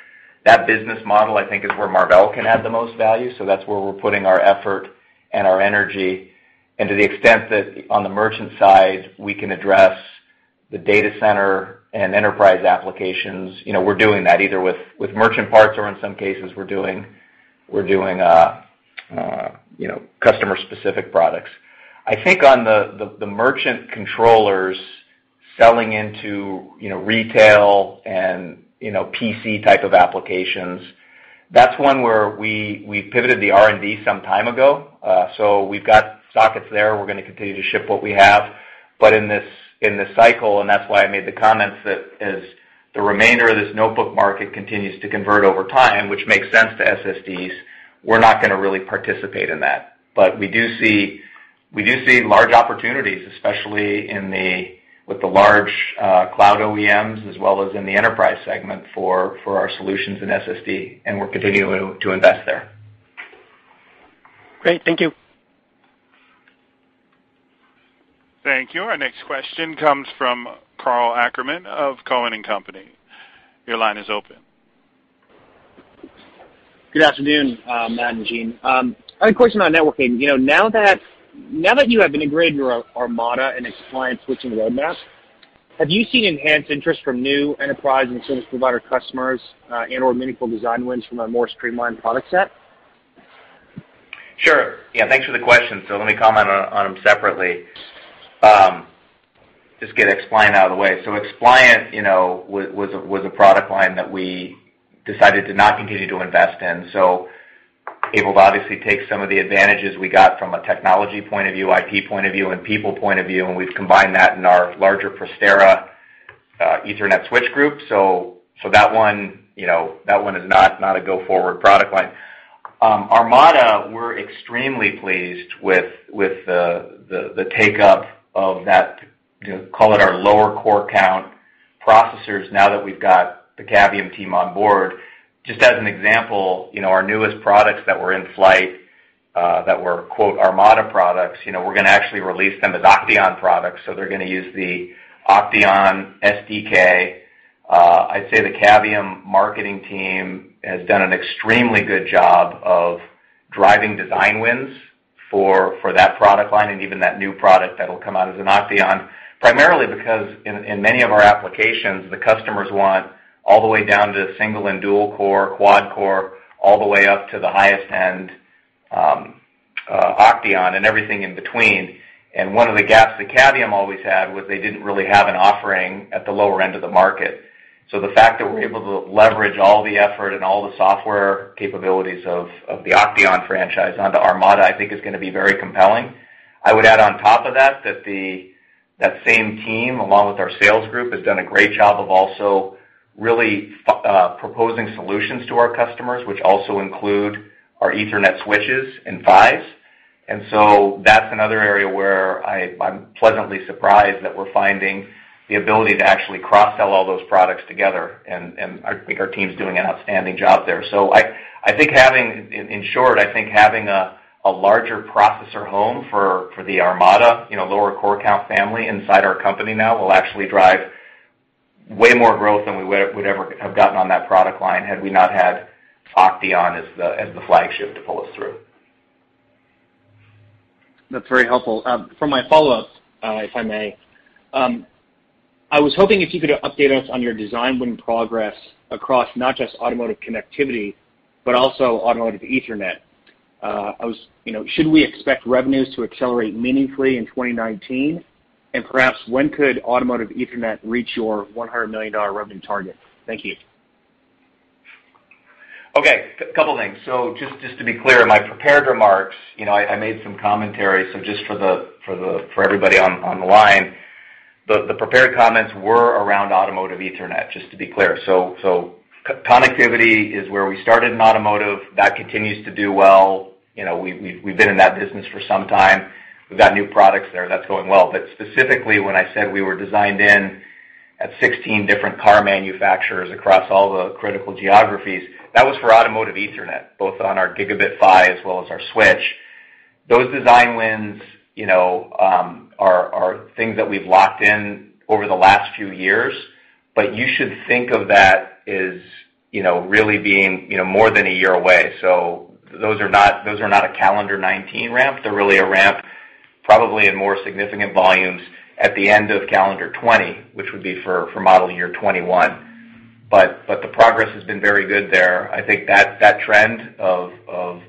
that business model, I think, is where Marvell can add the most value. That's where we're putting our effort and our energy. To the extent that on the merchant side, we can address the data center and enterprise applications, we're doing that either with merchant parts or in some cases we're doing customer-specific products. I think on the merchant controllers selling into retail and PC type of applications, that's one where we pivoted the R&D some time ago. We've got sockets there. We're going to continue to ship what we have. In this cycle, and that's why I made the comments that as the remainder of this notebook market continues to convert over time, which makes sense to SSDs, we're not going to really participate in that. We do see large opportunities, especially with the large cloud OEMs as well as in the enterprise segment for our solutions in SSD, and we're continuing to invest there. Great. Thank you. Thank you. Our next question comes from Karl Ackerman of Cowen and Company. Your line is open. Good afternoon, Matt and Jean. I have a question on networking. Now that you have integrated your ARMADA and XPliant switching roadmap, have you seen enhanced interest from new enterprise and service provider customers, and/or meaningful design wins from a more streamlined product set? Sure. Yeah, thanks for the question. Let me comment on them separately. Just get XPliant out of the way. XPliant was a product line that we decided to not continue to invest in. Able to obviously take some of the advantages we got from a technology point of view, IP point of view, and people point of view, and we've combined that in our larger Prestera Ethernet switch group. That one is not a go-forward product line. ARMADA, we're extremely pleased with the take-up of that, call it our lower core count processors now that we've got the Cavium team on board. Just as an example, our newest products that were in flight, that were, quote, ARMADA products, we're going to actually release them as OCTEON products, so they're going to use the OCTEON SDK. I'd say the Cavium marketing team has done an extremely good job of driving design wins for that product line and even that new product that'll come out as an OCTEON, primarily because in many of our applications, the customers want all the way down to single and dual core, quad core, all the way up to the highest-end OCTEON and everything in between. One of the gaps that Cavium always had was they didn't really have an offering at the lower end of the market. The fact that we're able to leverage all the effort and all the software capabilities of the OCTEON franchise onto ARMADA, I think is going to be very compelling. I would add on top of that same team, along with our sales group, has done a great job of also really proposing solutions to our customers, which also include our Ethernet switches and PHYs. That's another area where I'm pleasantly surprised that we're finding the ability to actually cross-sell all those products together, and I think our team's doing an outstanding job there. In short, I think having a larger processor home for the ARMADA lower core count family inside our company now will actually drive way more growth than we would ever have gotten on that product line had we not had OCTEON as the flagship to pull us through. That's very helpful. For my follow-up, if I may, I was hoping if you could update us on your design win progress across not just automotive connectivity, but also automotive Ethernet. Should we expect revenues to accelerate meaningfully in 2019? Perhaps when could automotive Ethernet reach your $100 million revenue target? Thank you. Okay. Couple of things. Just to be clear, in my prepared remarks, I made some commentary, just for everybody on the line, the prepared comments were around automotive Ethernet, just to be clear. Connectivity is where we started in automotive. That continues to do well. We've been in that business for some time. We've got new products there that's going well. Specifically, when I said we were designed in at 16 different car manufacturers across all the critical geographies, that was for automotive Ethernet, both on our gigabit PHY as well as our switch. Those design wins are things that we've locked in over the last few years, but you should think of that as really being more than a year away. Those are not a calendar 2019 ramp. They're really a ramp probably in more significant volumes at the end of calendar 2020, which would be for model year 2021. The progress has been very good there. I think that trend of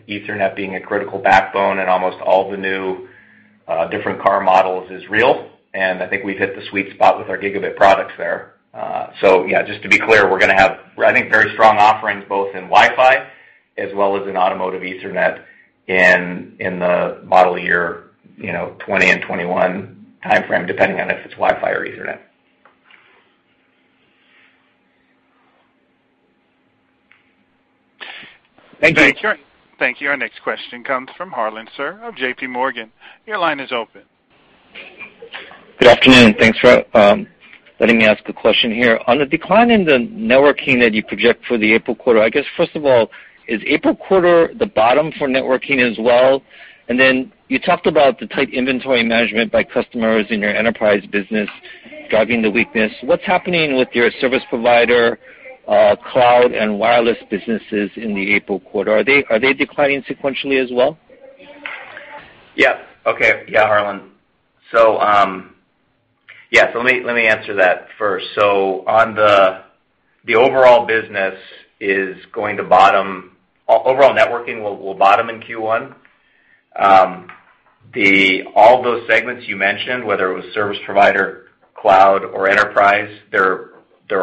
Ethernet being a critical backbone in almost all the new different car models is real, and I think we've hit the sweet spot with our gigabit products there. Yeah, just to be clear, we're going to have, I think, very strong offerings both in Wi-Fi as well as in automotive Ethernet in the model year 2020 and 2021 timeframe, depending on if it's Wi-Fi or Ethernet. Thank you. Thank you. Our next question comes from Harlan Sur of J.P. Morgan. Your line is open. Good afternoon, thanks for letting me ask a question here. On the decline in the networking that you project for the April quarter, I guess first of all, is April quarter the bottom for networking as well? Then you talked about the tight inventory management by customers in your enterprise business driving the weakness. What's happening with your service provider, cloud, and wireless businesses in the April quarter? Are they declining sequentially as well? Yeah. Okay. Yeah, Harlan. Let me answer that first. The overall business is going to bottom. Overall networking will bottom in Q1. All those segments you mentioned, whether it was service provider, cloud, or enterprise, they're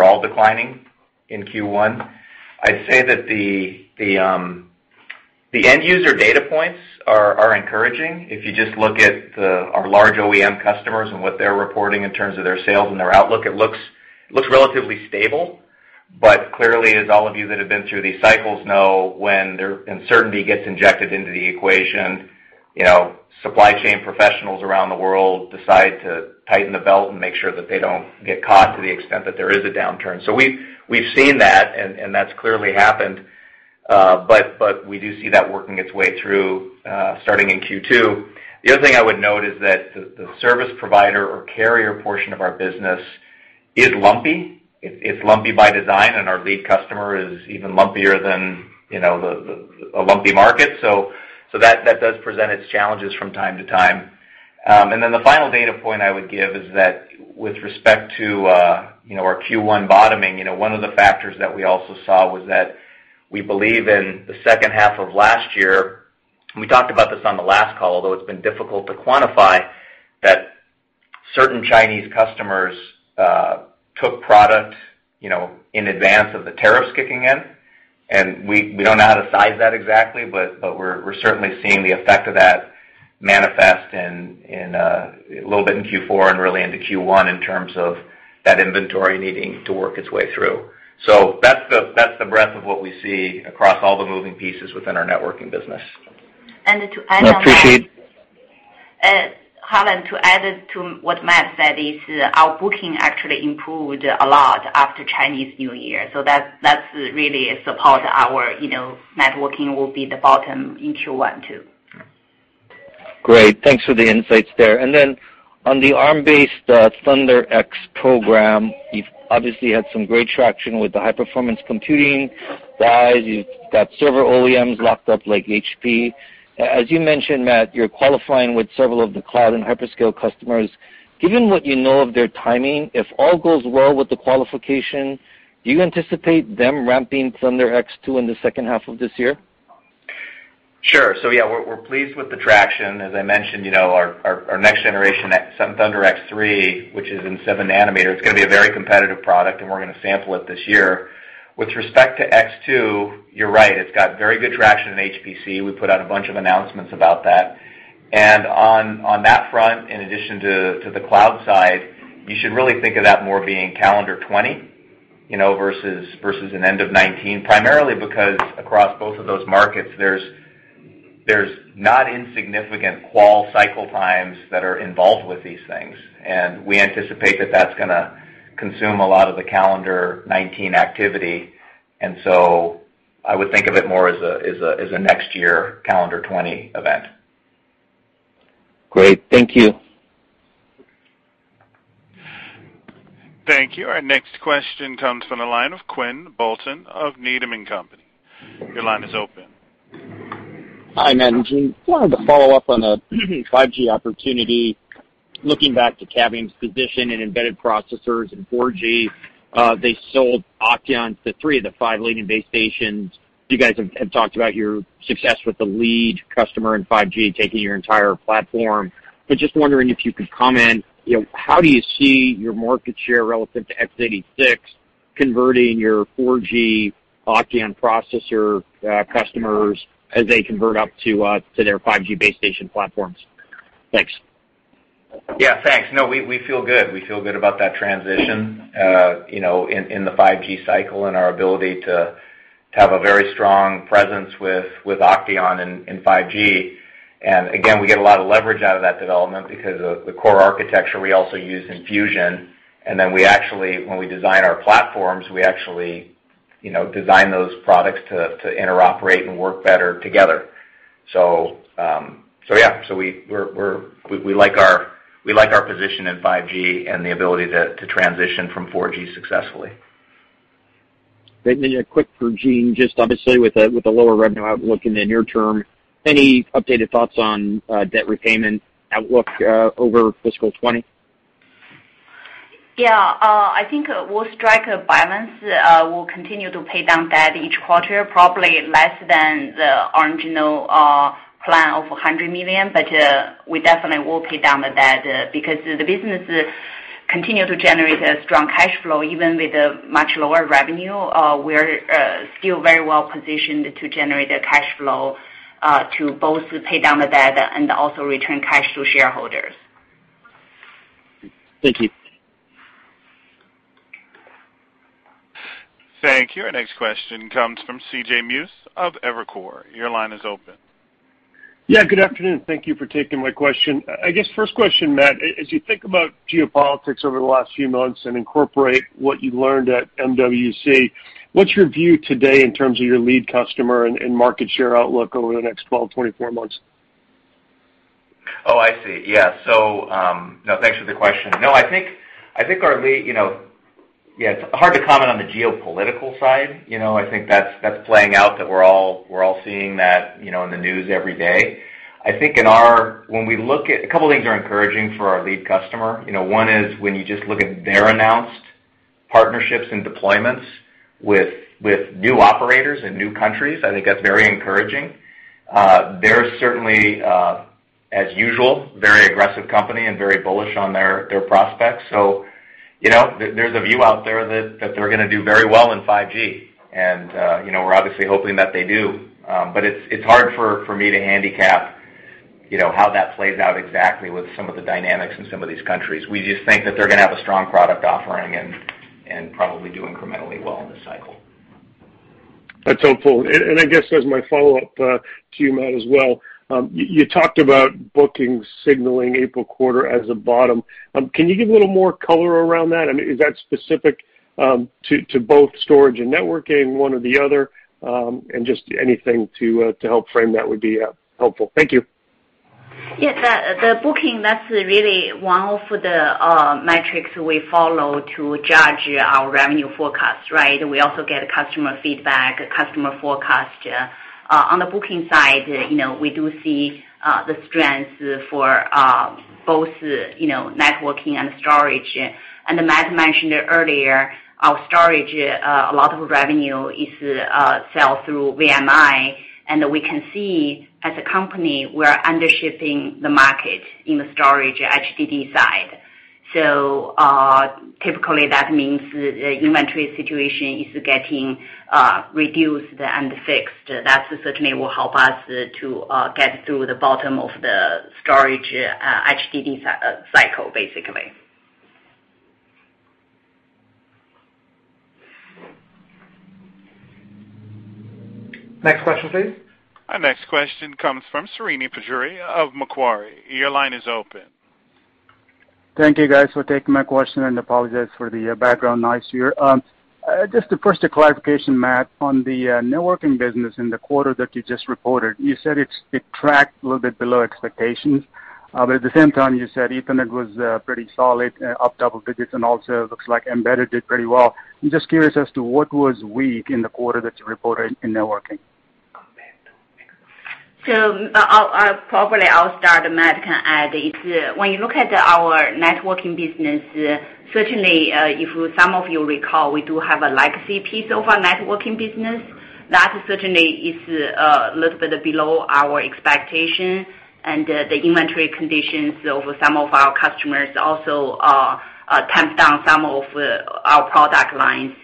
all declining in Q1. I'd say that the end user data points are encouraging. If you just look at our large OEM customers and what they're reporting in terms of their sales and their outlook, it looks relatively stable. Clearly, as all of you that have been through these cycles know, when uncertainty gets injected into the equation, supply chain professionals around the world decide to tighten the belt and make sure that they don't get caught to the extent that there is a downturn. We've seen that, and that's clearly happened. We do see that working its way through, starting in Q2. The other thing I would note is that the service provider or carrier portion of our business is lumpy. It's lumpy by design, and our lead customer is even lumpier than a lumpy market. That does present its challenges from time to time. The final data point I would give is that with respect to our Q1 bottoming, one of the factors that we also saw was that we believe in the second half of last year, we talked about this on the last call, although it's been difficult to quantify, that certain Chinese customers took product in advance of the tariffs kicking in. We don't know how to size that exactly, but we're certainly seeing the effect of that manifest a little bit in Q4 and really into Q1 in terms of that inventory needing to work its way through. That's the breadth of what we see across all the moving pieces within our networking business. To add- I appreciate. Harlan, to add to what Matt said is our booking actually improved a lot after Chinese New Year, that really support our networking will be the bottom in Q1 too. Great. Thanks for the insights there. On the Arm-based ThunderX program, you've obviously had some great traction with the high-performance computing guys. You've got server OEMs locked up like HP. As you mentioned, Matt, you're qualifying with several of the cloud and hyperscale customers. Given what you know of their timing, if all goes well with the qualification, do you anticipate them ramping ThunderX2 in the second half of this year? Sure. Yeah, we're pleased with the traction. As I mentioned, our next generation ThunderX3, which is in seven nanometer, it's going to be a very competitive product, and we're going to sample it this year. With respect to X2, you're right, it's got very good traction in HPC. We put out a bunch of announcements about that. On that front, in addition to the cloud side, you should really think of that more being calendar 2020 versus an end of 2019, primarily because across both of those markets, there's not insignificant qual cycle times that are involved with these things. I would think of it more as a next year calendar 2020 event. Great. Thank you. Thank you. Our next question comes from the line of Quinn Bolton of Needham & Company. Your line is open. Hi, Matt and Jean. Just wanted to follow up on the 5G opportunity. Looking back to Cavium's position in embedded processors in 4G, they sold OCTEON to three of the five leading base stations. You guys have talked about your success with the lead customer in 5G taking your entire platform. Just wondering if you could comment, how do you see your market share relative to x86 converting your 4G OCTEON processor customers as they convert up to their 5G base station platforms? Thanks. Yeah, thanks. No, we feel good. We feel good about that transition in the 5G cycle and our ability to have a very strong presence with OCTEON in 5G. Again, we get a lot of leverage out of that development because of the core architecture we also use in Fusion. When we design our platforms, we actually design those products to interoperate and work better together. Yeah. We like our position in 5G and the ability to transition from 4G successfully. a quick for Jean, just obviously with the lower revenue outlook in the near term, any updated thoughts on debt repayment outlook over fiscal 2020? I think we'll strike a balance. We'll continue to pay down debt each quarter, probably less than the original plan of $100 million, but we definitely will pay down the debt because the business continues to generate a strong cash flow even with a much lower revenue. We're still very well-positioned to generate a cash flow to both pay down the debt and also return cash to shareholders. Thank you. Thank you. Our next question comes from C.J. Muse of Evercore. Your line is open. Good afternoon. Thank you for taking my question. I guess first question, Matt, as you think about geopolitics over the last few months and incorporate what you learned at MWC, what's your view today in terms of your lead customer and market share outlook over the next 12, 24 months? I see. Thanks for the question. I think our lead-- It's hard to comment on the geopolitical side. I think that's playing out, that we're all seeing that in the news every day. A couple of things are encouraging for our lead customer. One is when you just look at their announced partnerships and deployments with new operators in new countries, I think that's very encouraging. They're certainly, as usual, very aggressive company and very bullish on their prospects. There's a view out there that they're going to do very well in 5G. We're obviously hoping that they do. It's hard for me to handicap how that plays out exactly with some of the dynamics in some of these countries. We just think that they're going to have a strong product offering and probably do incrementally well in this cycle. That's helpful. I guess as my follow-up to you, Matt, as well, you talked about bookings signaling April quarter as a bottom. Can you give a little more color around that? I mean, is that specific to both storage and networking, one or the other? Just anything to help frame that would be helpful. Thank you. Yes. The booking, that's really one of the metrics we follow to judge our revenue forecast. We also get customer feedback, customer forecast. On the booking side, we do see the strength for both networking and storage. As Matt mentioned earlier, our storage, a lot of revenue is sell through VMI, and we can see as a company, we're under-shipping the market in the storage HDD side. Typically, that means the inventory situation is getting reduced and fixed. That certainly will help us to get through the bottom of the storage HDD cycle, basically. Next question, please. Our next question comes from Srini Pajjuri of Macquarie. Your line is open. Thank you guys for taking my question and apologize for the background noise here. Just first a clarification, Matt, on the networking business in the quarter that you just reported. You said it tracked a little bit below expectations, at the same time, you said Ethernet was pretty solid, up double digits, and also looks like embedded did pretty well. I'm just curious as to what was weak in the quarter that you reported in networking. Probably I'll start, Matt can add. When you look at our networking business, certainly if some of you recall, we do have a legacy piece of our networking business. That certainly is a little bit below our expectation and the inventory conditions of some of our customers also tamp down some of our product lines.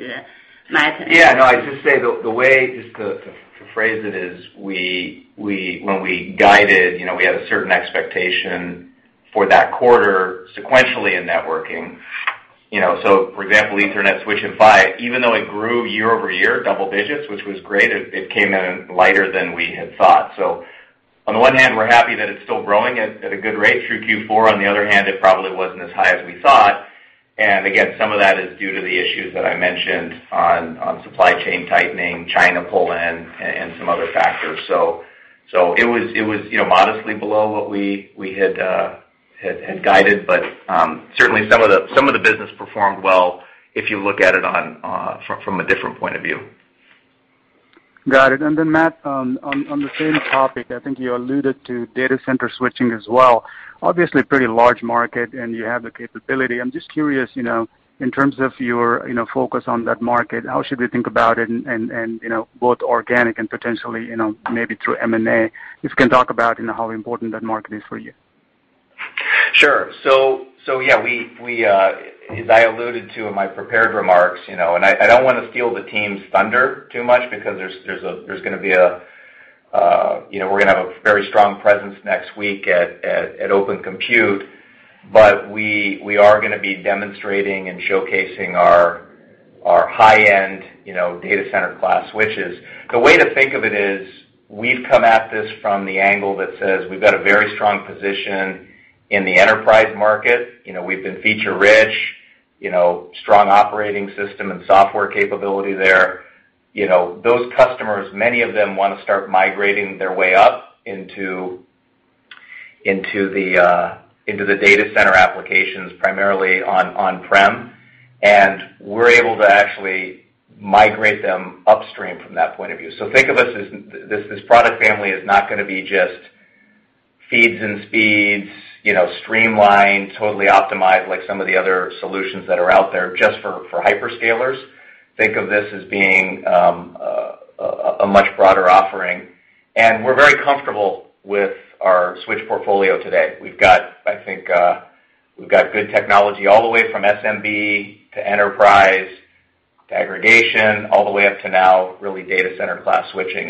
Matt? I'd just say the way, just to phrase it, is when we guided, we had a certain expectation for that quarter sequentially in networking. For example, Ethernet switch and PHY, even though it grew year-over-year double digits, which was great, it came in lighter than we had thought. On the one hand, we're happy that it's still growing at a good rate through Q4. On the other hand, it probably wasn't as high as we thought, again, some of that is due to the issues that I mentioned on supply chain tightening, China pull-in, and some other factors. It was modestly below what we had guided, certainly some of the business performed well if you look at it from a different point of view. Got it. Matt, on the same topic, I think you alluded to data center switching as well. Obviously a pretty large market, and you have the capability. I'm just curious, in terms of your focus on that market, how should we think about it and both organic and potentially, maybe through M&A? If you can talk about how important that market is for you. Sure. Yeah, as I alluded to in my prepared remarks, and I don't want to steal the team's thunder too much because we're going to have a very strong presence next week at Open Compute, but we are going to be demonstrating and showcasing our high-end data center class switches. The way to think of it is we've come at this from the angle that says we've got a very strong position in the enterprise market. We've been feature-rich, strong operating system and software capability there. Those customers, many of them want to start migrating their way up into the data center applications, primarily on-prem. We're able to actually migrate them upstream from that point of view. Think of this product family is not going to be just feeds and speeds, streamlined, totally optimized, like some of the other solutions that are out there just for hyperscalers. Think of this as being a much broader offering. We're very comfortable with our switch portfolio today. I think we've got good technology all the way from SMB to enterprise, to aggregation, all the way up to now really data center class switching.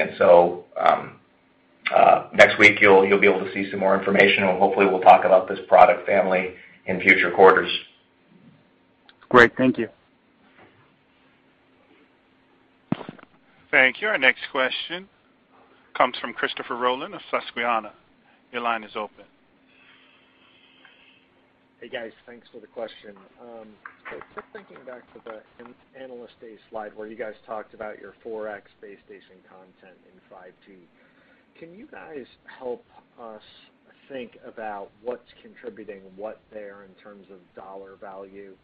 Next week you'll be able to see some more information, and hopefully we'll talk about this product family in future quarters. Great. Thank you. Thank you. Our next question comes from Christopher Rolland of Susquehanna. Your line is open. Hey, guys. Thanks for the question. Just thinking back to the analyst day slide where you guys talked about your 4x base station content in 5G. Can you guys help us think about what's contributing what there in terms of dollar value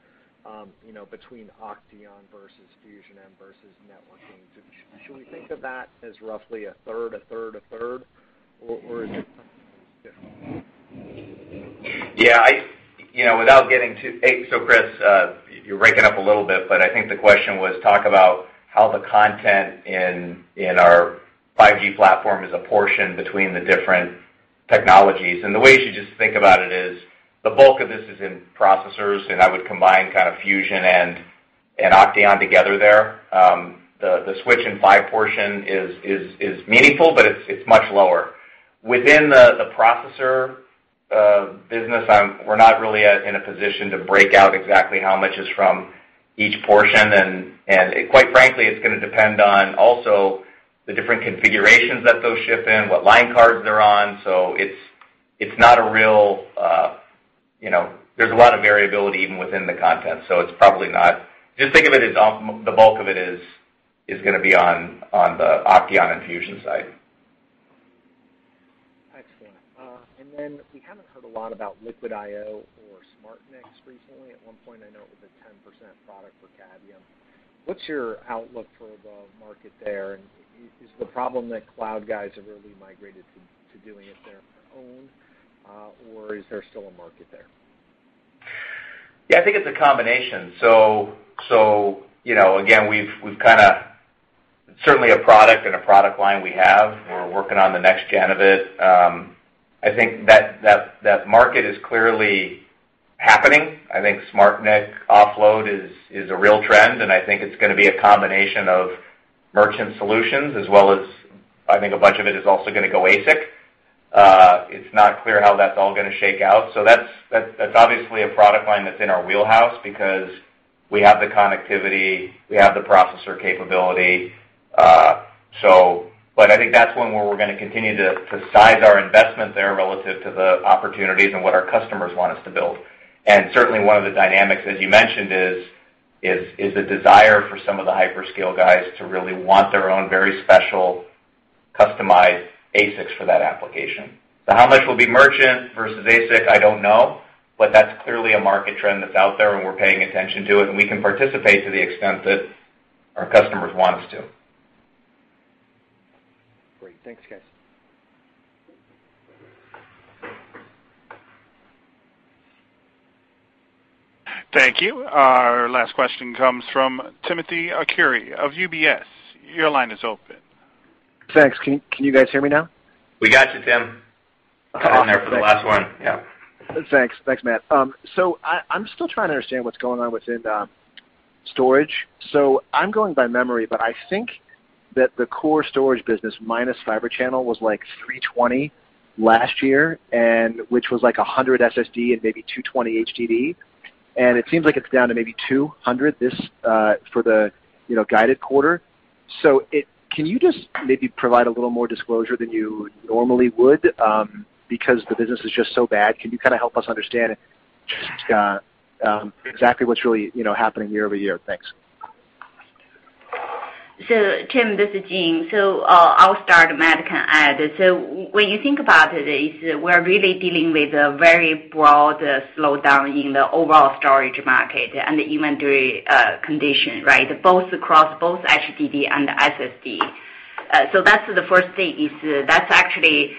between OCTEON versus OCTEON Fusion-M versus networking? Should we think of that as roughly a third, a third, a third, or is it something that's different? Yeah. Chris, you're breaking up a little bit, but I think the question was talk about how the content in our 5G platform is apportioned between the different technologies. The way you should just think about it is the bulk of this is in processors, and I would combine kind of Fusion and OCTEON together there. The switch and PHY portion is meaningful, but it's much lower. Within the processor business, we're not really in a position to break out exactly how much is from each portion. Quite frankly, it's going to depend on also the different configurations that those ship in, what line cards they're on. There's a lot of variability even within the content. Just think of it as the bulk of it is going to be on the OCTEON and Fusion side. Excellent. Then we haven't heard a lot about LiquidIO or SmartNICs recently. At one point, I know it was a 10% product for Cavium. What's your outlook for the market there? Is the problem that cloud guys have really migrated to doing it their own, or is there still a market there? I think it's a combination. Again, it's certainly a product and a product line we have. We're working on the next gen of it. I think that market is clearly happening. I think SmartNIC offload is a real trend, and I think it's going to be a combination of merchant solutions as well as, I think a bunch of it is also going to go ASIC. It's not clear how that's all going to shake out. That's obviously a product line that's in our wheelhouse because we have the connectivity, we have the processor capability. I think that's one where we're going to continue to size our investment there relative to the opportunities and what our customers want us to build. Certainly one of the dynamics, as you mentioned, is the desire for some of the hyperscale guys to really want their own very special customized ASICs for that application. How much will be merchant versus ASIC, I don't know. That's clearly a market trend that's out there, and we're paying attention to it, and we can participate to the extent that our customers want us to. Great. Thanks, guys. Thank you. Our last question comes from Timothy Arcuri of UBS. Your line is open. Thanks. Can you guys hear me now? We got you, Tim. Cut in there for the last one. Yeah. Thanks. Thanks, Matt. I'm still trying to understand what's going on within storage. I'm going by memory, but I think that the core storage business minus Fibre Channel was like $320 last year, which was like $100 SSD and maybe $220 HDD. It seems like it's down to maybe $200 for the guided quarter. Can you just maybe provide a little more disclosure than you normally would? Because the business is just so bad. Can you kind of help us understand exactly what's really happening year-over-year? Thanks. Tim, this is Jean. I'll start, Matt can add. When you think about it, is we're really dealing with a very broad slowdown in the overall storage market and the inventory condition, right? Both across both HDD and SSD. That's the first thing is that's actually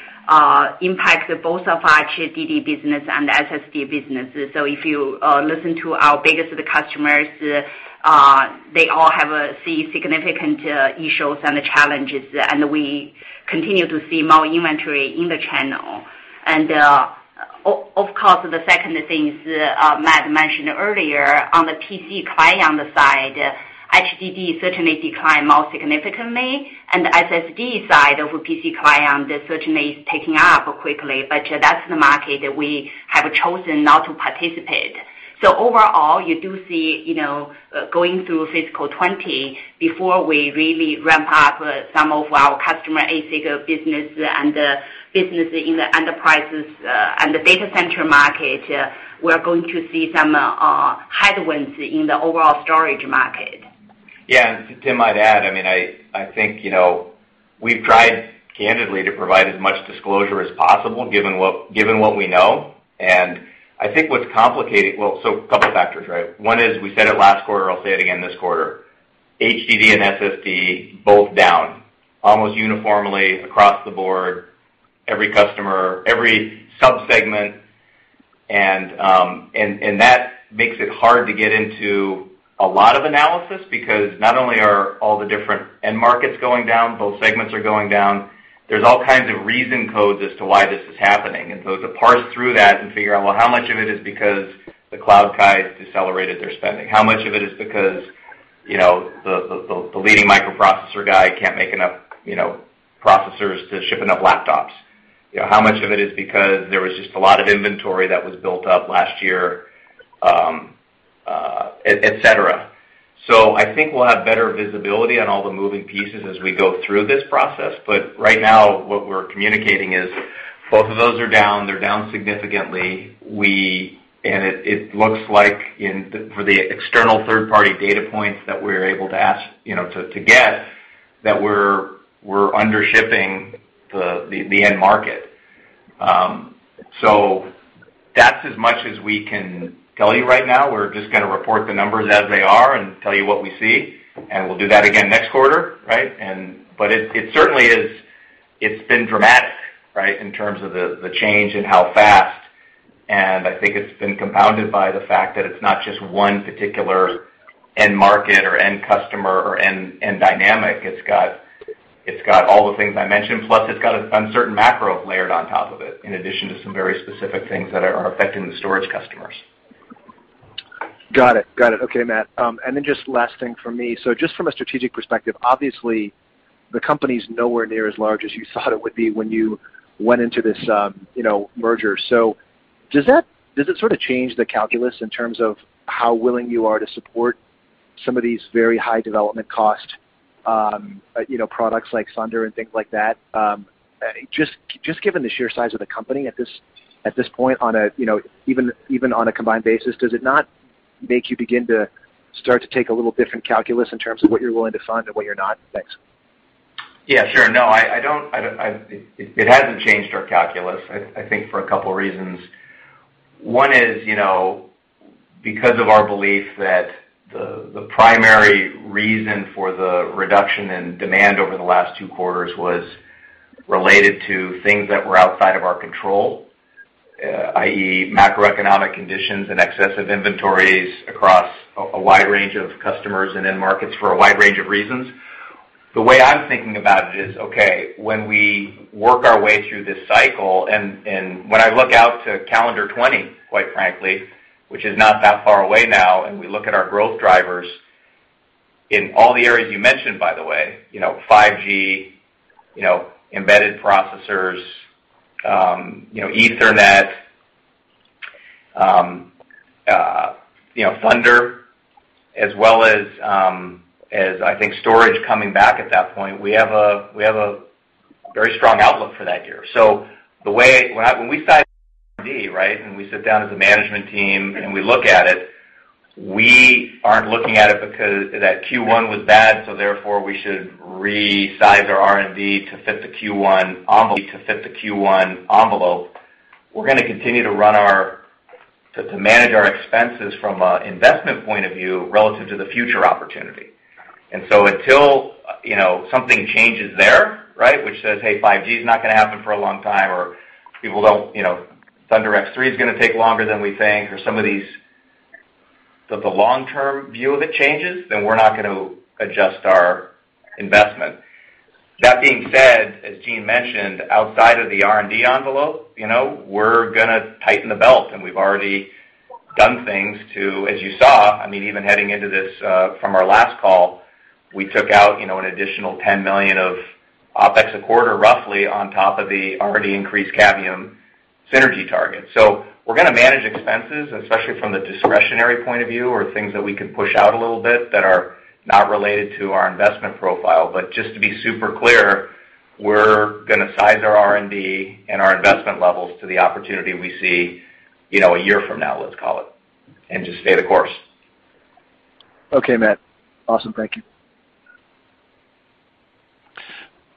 impacted both of our HDD business and SSD business. If you listen to our biggest customers, they all have seen significant issues and challenges, and we continue to see more inventory in the channel. Of course, the second thing is Matt mentioned earlier on the PC client side, HDD certainly declined more significantly. The SSD side of a PC client certainly is ticking up quickly. That's the market that we have chosen not to participate. overall, you do see, going through fiscal 2020, before we really ramp up some of our customer ASIC business and business in the enterprises and the data center market, we're going to see some headwinds in the overall storage market. Tim, I'd add, I think we've tried candidly to provide as much disclosure as possible given what we know. I think what's complicated. Well, a couple factors, right? One is, we said it last quarter, I'll say it again this quarter, HDD and SSD both down almost uniformly across the board, every customer, every sub-segment, and that makes it hard to get into a lot of analysis because not only are all the different end markets going down, both segments are going down. There's all kinds of reason codes as to why this is happening. To parse through that and figure out, well, how much of it is because the cloud guy has decelerated their spending? How much of it is because the leading microprocessor guy can't make enough processors to ship enough laptops? How much of it is because there was just a lot of inventory that was built up last year, et cetera. I think we'll have better visibility on all the moving pieces as we go through this process. Right now, what we're communicating is both of those are down, they're down significantly. It looks like for the external third-party data points that we're able to get, that we're under-shipping the end market. That's as much as we can tell you right now. We're just going to report the numbers as they are and tell you what we see, and we'll do that again next quarter, right? It certainly has been dramatic, right, in terms of the change and how fast. I think it's been compounded by the fact that it's not just one particular end market or end customer or end dynamic. It's got all the things I mentioned, plus it's got an uncertain macro layered on top of it, in addition to some very specific things that are affecting the storage customers. Got it. Okay, Matt. Just last thing from me. Just from a strategic perspective, obviously, the company's nowhere near as large as you thought it would be when you went into this merger. Does it sort of change the calculus in terms of how willing you are to support some of these very high development cost products like ThunderX and things like that? Just given the sheer size of the company at this point, even on a combined basis, does it not make you begin to take a little different calculus in terms of what you're willing to fund and what you're not? Thanks. Yeah, sure. No, it hasn't changed our calculus, I think, for a couple reasons. One is because of our belief that the primary reason for the reduction in demand over the last two quarters was related to things that were outside of our control, i.e., macroeconomic conditions and excessive inventories across a wide range of customers and end markets for a wide range of reasons. The way I'm thinking about it is, okay, when we work our way through this cycle, when I look out to calendar 2020, quite frankly, which is not that far away now, and we look at our growth drivers in all the areas you mentioned, by the way, 5G, embedded processors, Ethernet, Thunder, as well as I think storage coming back at that point, we have a very strong outlook for that year. When we size R&D, right, and we sit down as a management team and we look at it, we aren't looking at it because that Q1 was bad, therefore we should resize our R&D to fit the Q1 envelope. We're going to continue to manage our expenses from an investment point of view relative to the future opportunity. Until something changes there, right, which says, "Hey, 5G is not going to happen for a long time," or ThunderX3 is going to take longer than we think, or some of these, that the long-term view of it changes, then we're not going to adjust our investment. That being said, as Jean mentioned, outside of the R&D envelope, we're going to tighten the belt, and we've already done things to, as you saw, even heading into this from our last call, we took out an additional $10 million of OpEx a quarter roughly on top of the already increased Cavium synergy target. We're going to manage expenses, especially from the discretionary point of view or things that we can push out a little bit that are not related to our investment profile. Just to be super clear, we're going to size our R&D and our investment levels to the opportunity we see a year from now, let's call it, and just stay the course. Okay, Matt. Awesome. Thank you.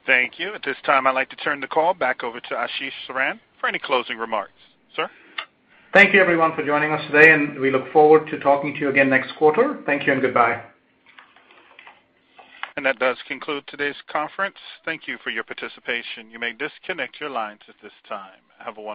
Thank you. At this time, I'd like to turn the call back over to Ashish Saran for any closing remarks. Sir? Thank you everyone for joining us today. We look forward to talking to you again next quarter. Thank you and goodbye. That does conclude today's conference. Thank you for your participation. You may disconnect your lines at this time. Have a wonderful day.